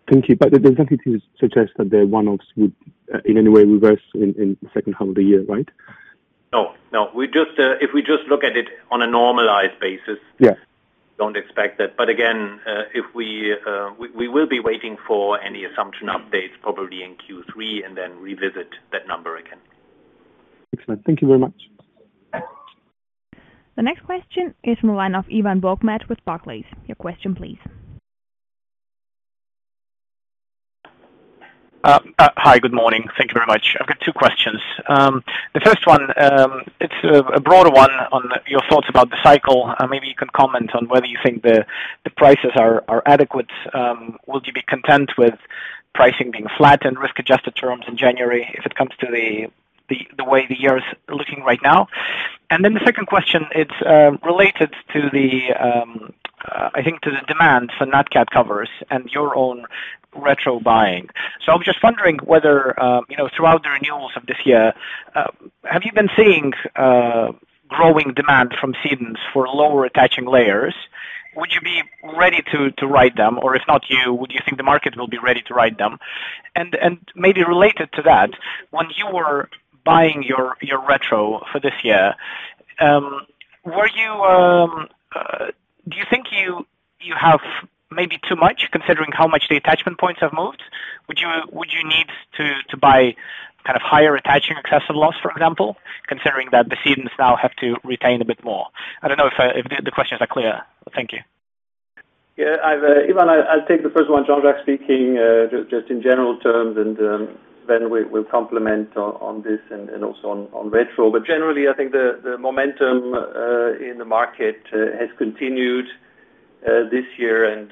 Speaker 13: Thank you. There's nothing to suggest that the one-offs would in any way reverse in, in the second half of the year, right?
Speaker 4: No, no. We just, if we just look at it on a normalized basis-
Speaker 13: Yes.
Speaker 4: Don't expect that. Again, if we, we, we will be waiting for any assumption updates probably in Q3, and then revisit that number again.
Speaker 13: Excellent. Thank you very much.
Speaker 1: The next question is from the line of Ivan Bokhmat with Barclays. Your question, please.
Speaker 14: Hi, good morning. Thank you very much. I've got two questions. The first one, it's a, a broader one on your thoughts about the cycle. Maybe you can comment on whether you think the, the prices are, are adequate. Would you be content with pricing being flat in risk-adjusted terms in January if it comes to the, the, the way the year is looking right now? Then the second question, it's related to the, I think to the demand for NatCat covers and your own retro buying. I was just wondering whether, you know, throughout the renewals of this year, have you been seeing, growing demand from cedants for lower attaching layers? Would you be ready to, to write them, or if not you, would you think the market will be ready to write them? Maybe related to that, when you were buying your, your retro for this year, were you, do you think you, you have maybe too much, considering how much the attachment points have moved? Would you, would you need to, to buy kind of higher attaching excessive loss, for example, considering that the cedants now have to retain a bit more? I don't know if the questions are clear. Thank you.
Speaker 4: Yeah, I've, Ivan, I'll take the first one. Jean-Jacques speaking, just, just in general terms, and then we, we'll complement on, on this and, and also on, on retro. Generally, I think the, the momentum in the market has continued this year, and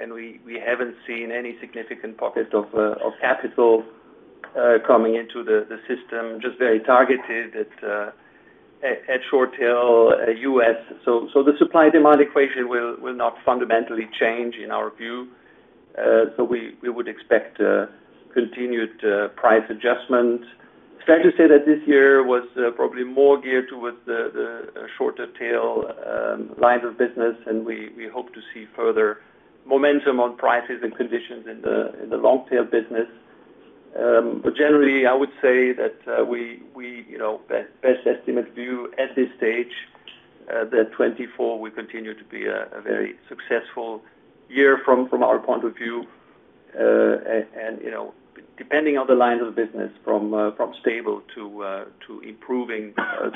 Speaker 4: and we, we haven't seen any significant pockets of of capital coming into the system, just very targeted at at short tail US. So the supply-demand equation will, will not fundamentally change in our view. So we, we would expect continued price adjustment. Fair to say that this year was probably more geared towards the, the shorter tail lines of business, and we, we hope to see further momentum on prices and conditions in the, in the long tail business. Generally, I would say that we, we, you know, best estimate view at this stage that 2024 will continue to be a very successful year from our point of view. You know, depending on the lines of business from stable to improving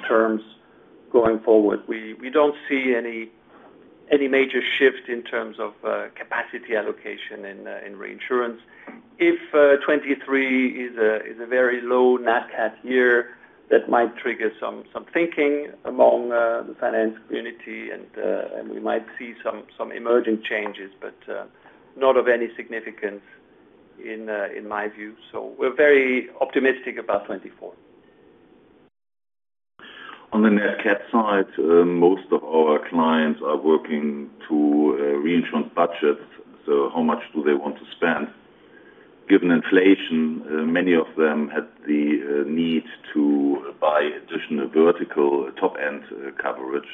Speaker 4: terms going forward, we, we don't see any major shift in terms of capacity allocation in reinsurance. If 2023 is a very low NatCat year, that might trigger some thinking among the finance community, and we might see some emerging changes, not of any significance in my view. We're very optimistic about 2024.
Speaker 6: On the NatCat side, most of our clients are working to reinsurance budgets, so how much do they want to spend? Given inflation, many of them had the need to buy additional vertical top-end coverage.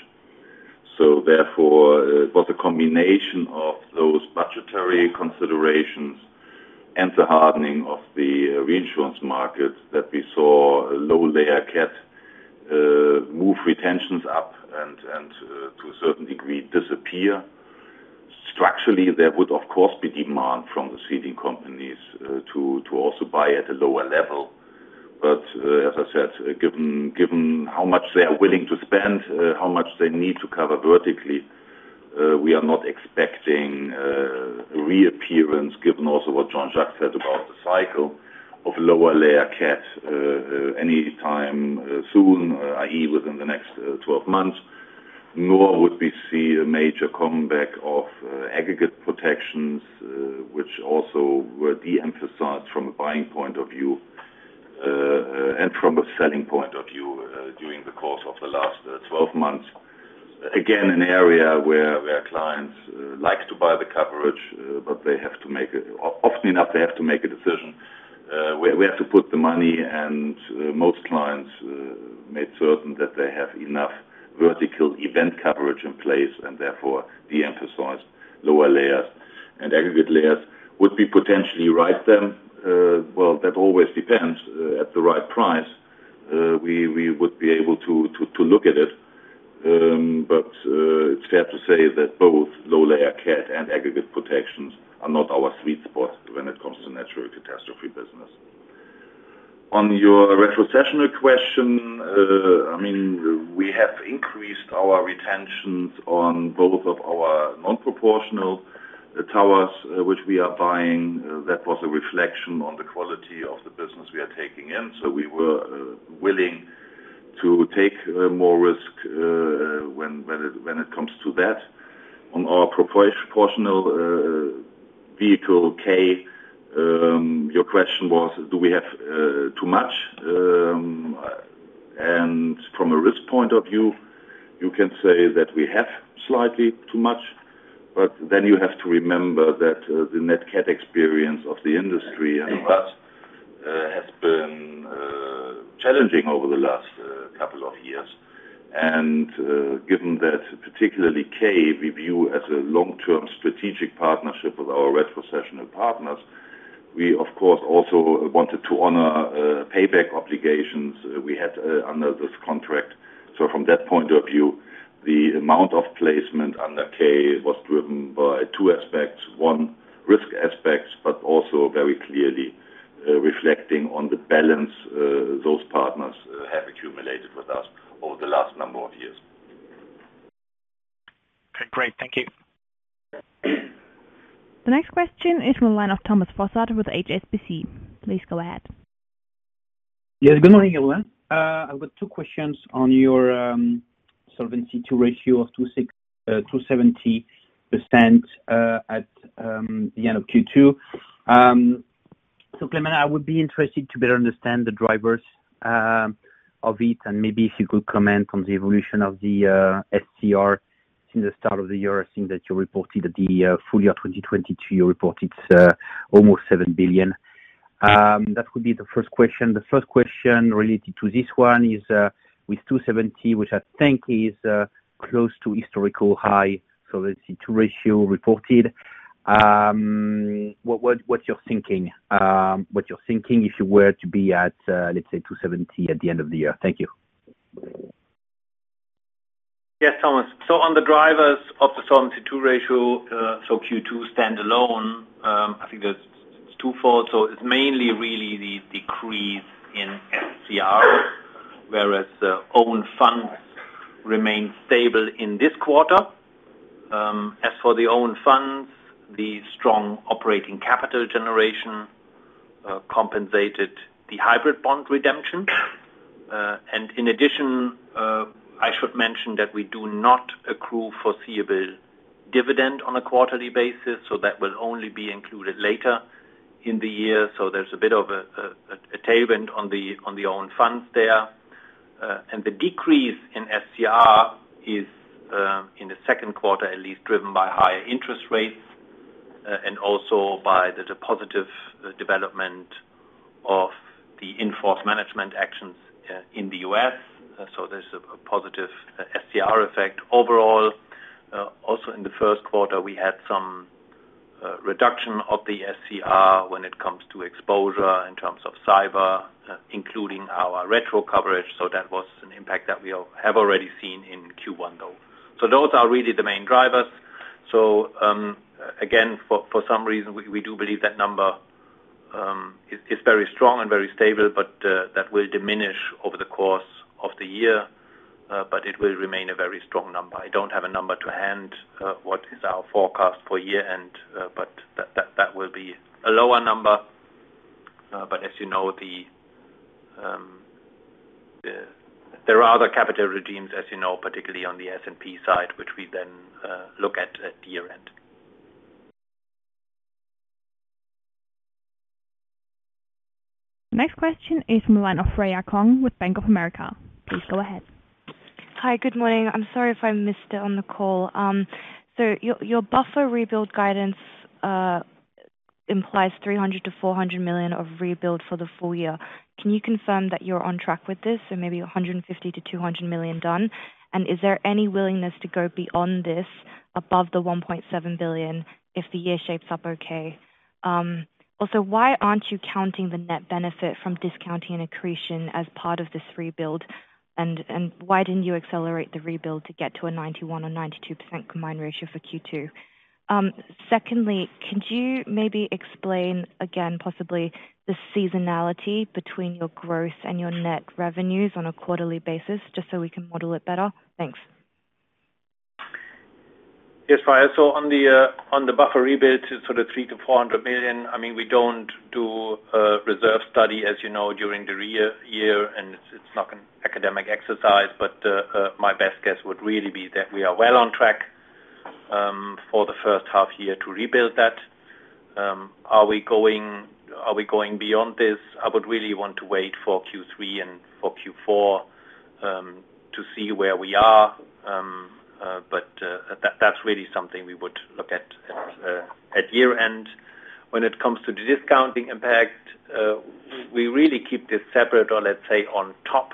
Speaker 6: Therefore, it was a combination of those budgetary considerations and the hardening of the reinsurance market that we saw a lower layer NatCat move retentions up and, and to a certain degree, disappear. Structurally, there would of course, be demand from the ceding companies, to also buy at a lower level. As I said, given, given how much they are willing to spend, how much they need to cover vertically, we are not expecting reappearance, given also what Jean-Jacques said about the cycle of lower layer cat, any time soon, i.e., within the next 12 months, nor would we see a major comeback of aggregate protections, which also were de-emphasized from a buying point of view, and from a selling point of view, during the course of the last 12 months. Again, an area where, where clients like to buy the coverage, but they have to make, often enough, they have to make a decision, where we have to put the money, and most clients made certain that they have enough vertical event coverage in place, and therefore de-emphasized lower layers and aggregate layers. Would we potentially write them? Well, that always depends, at the right price.... we, we would be able to, to, to look at it. It's fair to say that both low layer Cat and aggregate protections are not our sweet spot when it comes to natural catastrophe business. On your retrocessional question, I mean, we have increased our retentions on both of our non-proportional towers, which we are buying. That was a reflection on the quality of the business we are taking in, so we were willing to take more risk when, when it, when it comes to that. On our proportional vehicle, K, your question was, do we have too much? From a risk point of view, you can say that we have slightly too much, but then you have to remember that the NatCat experience of the industry and us has been challenging over the last couple of years. Given that particularly K, we view as a long-term strategic partnership with our retrocessional partners, we, of course, also wanted to honor payback obligations we had under this contract. From that point of view, the amount of placement under K was driven by two aspects. One, risk aspects, but also very clearly reflecting on the balance those partners have accumulated with us over the last number of years.
Speaker 14: Okay, great. Thank you.
Speaker 1: The next question is from the line of Thomas Fossard with HSBC. Please go ahead.
Speaker 15: Yes, good morning, everyone. I've got two questions on your solvency ratio of 270% at the end of Q2. So Clement, I would be interested to better understand the drivers of it, and maybe if you could comment on the evolution of the SCR since the start of the year, seeing that you reported at the full-year 2022, you reported almost 7 billion. That would be the first question. The first question related to this one is, with 270, which I think is close to historical high, so let's see, 2 ratio reported. What, what's your thinking? What's your thinking if you were to be at, let's say, 270 at the end of the year? Thank you.
Speaker 4: Yes, Thomas. On the drivers of the solvency II ratio, Q2 stand alone, I think that's twofold. It's mainly really the decrease in SCR, whereas own funds remain stable in this quarter. As for the own funds, the strong operating capital generation compensated the hybrid bond redemption. And in addition, I should mention that we do not accrue foreseeable dividend on a quarterly basis, so that will only be included later in the year. There's a bit of a, a, a tailwind on the, on the own funds there. And the decrease in SCR is in the second quarter, at least, driven by higher interest rates, and also by the positive development of the in-force management actions in the U.S. There's a, a positive SCR effect overall. Also in the first quarter, we had some reduction of the SCR when it comes to exposure in terms of cyber, including our retro coverage. That was an impact that we all have already seen in Q1, though. Those are really the main drivers. Again, for, for some reason, we, we do believe that number is very strong and very stable, but that will diminish over the course of the year, but it will remain a very strong number. I don't have a number to hand, what is our forecast for year-end, but that, that, that will be a lower number. But as you know, the, there are other capital regimes, as you know, particularly on the S&P side, which we then look at at year-end.
Speaker 1: Next question is from the line of Freya Kong with Bank of America. Please go ahead.
Speaker 16: Hi, good morning. I'm sorry if I missed it on the call. Your, your buffer rebuild guidance implies 300 million-400 million of rebuild for the full year. Can you confirm that you're on track with this? Maybe 150 million-200 million done, and is there any willingness to go beyond this, above the 1.7 billion if the year shapes up okay? Also, why aren't you counting the net benefit from discounting accretion as part of this rebuild? Why didn't you accelerate the rebuild to get to a 91% or 92% combined ratio for Q2? Secondly, could you maybe explain again, possibly the seasonality between your growth and your net revenues on a quarterly basis, just so we can model it better? Thanks.
Speaker 4: Yes, Freya. On the buffer rebuild to sort of 300 million-400 million, I mean, we don't do a reserve study, as you know, during the year, it's not an academic exercise, my best guess would really be that we are well on track for the first half-year to rebuild that. Are we going, are we going beyond this? I would really want to wait for Q3 and for Q4 to see where we are. That, that's really something we would look at at year-end. When it comes to the discounting impact, we really keep this separate or let's say, on top,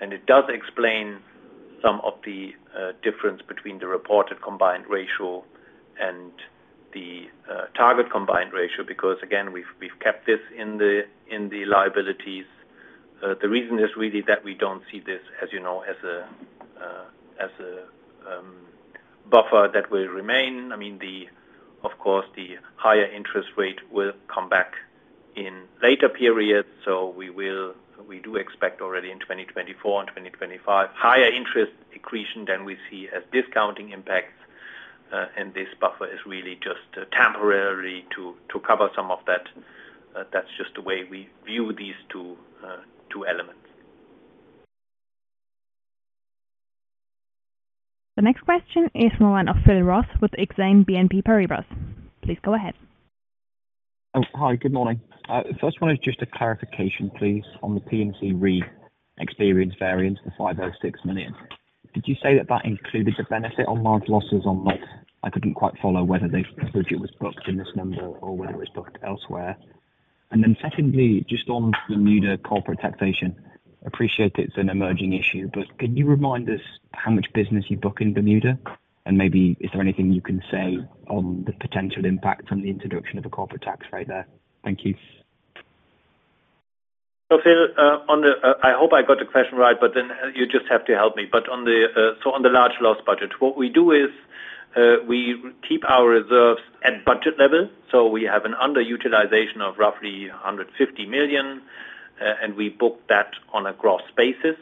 Speaker 4: and it does explain some of the difference between the reported combined ratio and... Target combined ratio, because again, we've, we've kept this in the, in the liabilities. The reason is really that we don't see this, as you know, as a, as a buffer that will remain. I mean, of course, the higher interest rate will come back in later periods, so we do expect already in 2024 and 2025, higher interest accretion than we see as discounting impacts, and this buffer is really just temporarily to, to cover some of that. That's just the way we view these two, two elements.
Speaker 1: The next question is from the line of Philip Ross with Exane BNP Paribas. Please go ahead.
Speaker 17: Hi, good morning. The first one is just a clarification, please, on the P&C re experience variance, the 506 million. Did you say that that included the benefit on large losses on net? I couldn't quite follow whether the budget was booked in this number or whether it was booked elsewhere. Then secondly, just on Bermuda corporate taxation. Appreciate it's an emerging issue, but can you remind us how much business you book in Bermuda? Maybe is there anything you can say on the potential impact on the introduction of a corporate tax rate there? Thank you.
Speaker 4: Philip, on the... I hope I got the question right, but then you just have to help me. On the large loss budget, what we do is, we keep our reserves at budget level, so we have an underutilization of roughly 150 million, and we book that on a gross basis.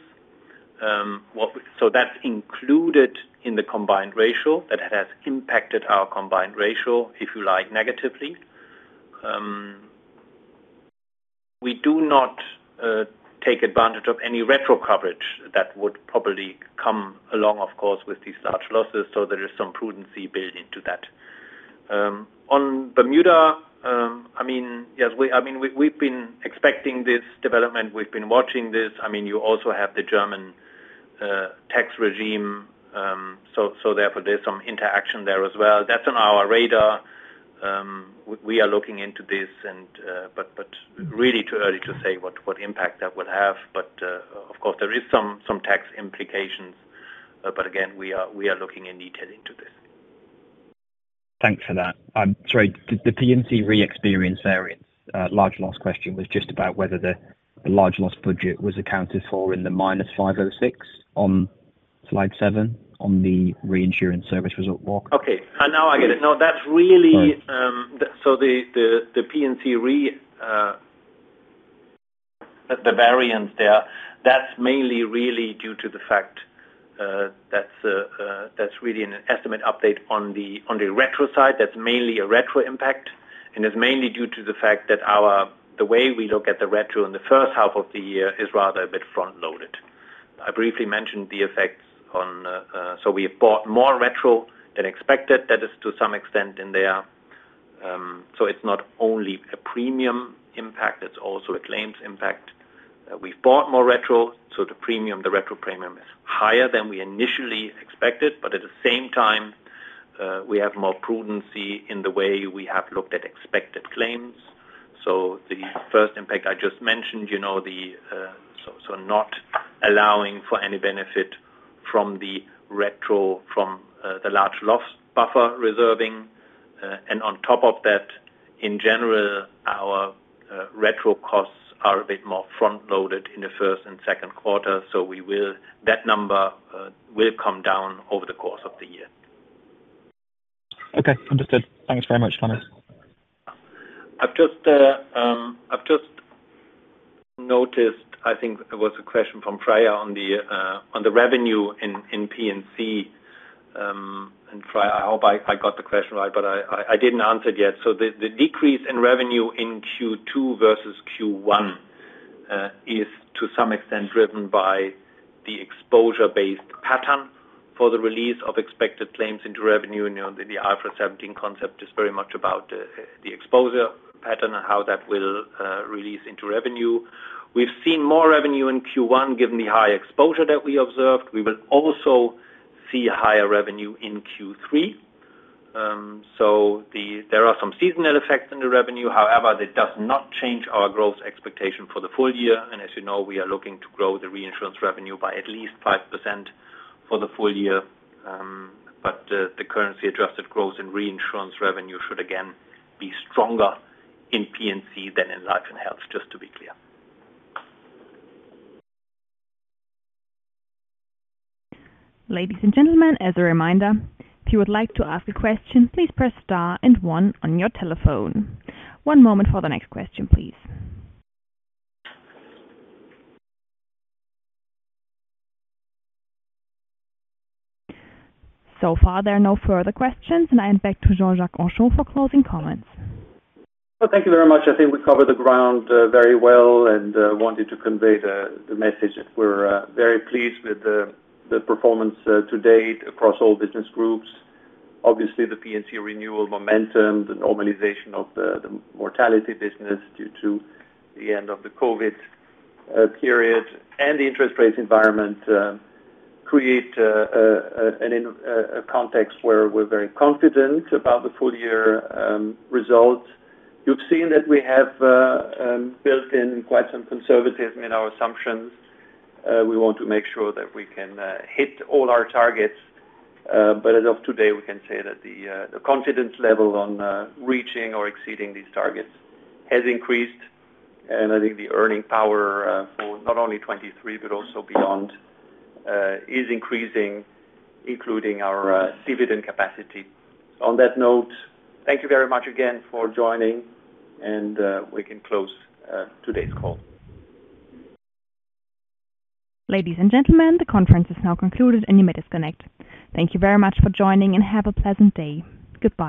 Speaker 4: That's included in the combined ratio. That has impacted our combined ratio, if you like, negatively. We do not take advantage of any retro coverage that would probably come along, of course, with these large losses, so there is some prudency built into that. On Bermuda, I mean, yes, I mean, we've, we've been expecting this development. We've been watching this. I mean, you also have the German tax regime, therefore, there's some interaction there as well. That's on our radar. We, we are looking into this and really too early to say what, what impact that would have. Of course, there is some, some tax implications, but again, we are, we are looking in detail into this.
Speaker 17: Thanks for that. I'm sorry, the, the P&C re-experience variance, large loss question was just about whether the large loss budget was accounted for in the minus 506 on slide seven, on the reinsurance service result walk.
Speaker 4: Okay. Now I get it. No, that's really-
Speaker 17: Sorry.
Speaker 4: The, the, the P&C re, the variance there, that's mainly really due to the fact, that's really an estimate update on the, on the retro side. That's mainly a retro impact, and it's mainly due to the fact that our, the way we look at the retro in the first half of the year is rather a bit front-loaded. I briefly mentioned the effects on. We bought more retro than expected. That is to some extent in there. It's not only a premium impact, it's also a claims impact. We've bought more retro, so the premium, the retro premium, is higher than we initially expected, but at the same time, we have more prudency in the way we have looked at expected claims. The first impact I just mentioned, you know, not allowing for any benefit from the retro from, the large loss buffer reserving. On top of that, in general, our retro costs are a bit more front-loaded in the first and second quarter. That number will come down over the course of the year.
Speaker 17: Okay, understood. Thanks very much, Clemens.
Speaker 4: I've just, I've just noticed, I think there was a question from Freya on the on the revenue in P&C. Freya, I hope I, I got the question right, but I, I, I didn't answer it yet. The, the decrease in revenue in Q2 versus Q1 is to some extent driven by the exposure-based pattern for the release of expected claims into revenue. You know, the IFRS 17 concept is very much about the, the exposure pattern and how that will release into revenue. We've seen more revenue in Q1, given the high exposure that we observed. We will also see higher revenue in Q3. There are some seasonal effects in the revenue. However, this does not change our growth expectation for the full year, and as you know, we are looking to grow the reinsurance revenue by at least 5% for the full year. The currency-adjusted growth in reinsurance revenue should again be stronger in P&C than in Life & Health, just to be clear.
Speaker 1: Ladies and gentlemen, as a reminder, if you would like to ask a question, please press star and one on your telephone. One moment for the next question, please. So far, there are no further questions, and I hand back to Jean-Jacques Henchoz for closing comments.
Speaker 3: Well, thank you very much. I think we covered the ground very well, and wanted to convey the message that we're very pleased with the performance to date across all business groups. Obviously, the P&C renewal momentum, the normalization of the mortality business due to the end of the COVID period, and the interest rate environment create a context where we're very confident about the full year results. You've seen that we have built in quite some conservatism in our assumptions. We want to make sure that we can hit all our targets, but as of today, we can say that the confidence level on reaching or exceeding these targets has increased, and I think the earning power for not only 2023 but also beyond is increasing, including our dividend capacity. On that note, thank you very much again for joining, and we can close today's call.
Speaker 1: Ladies and gentlemen, the conference is now concluded, and you may disconnect. Thank you very much for joining, and have a pleasant day. Goodbye.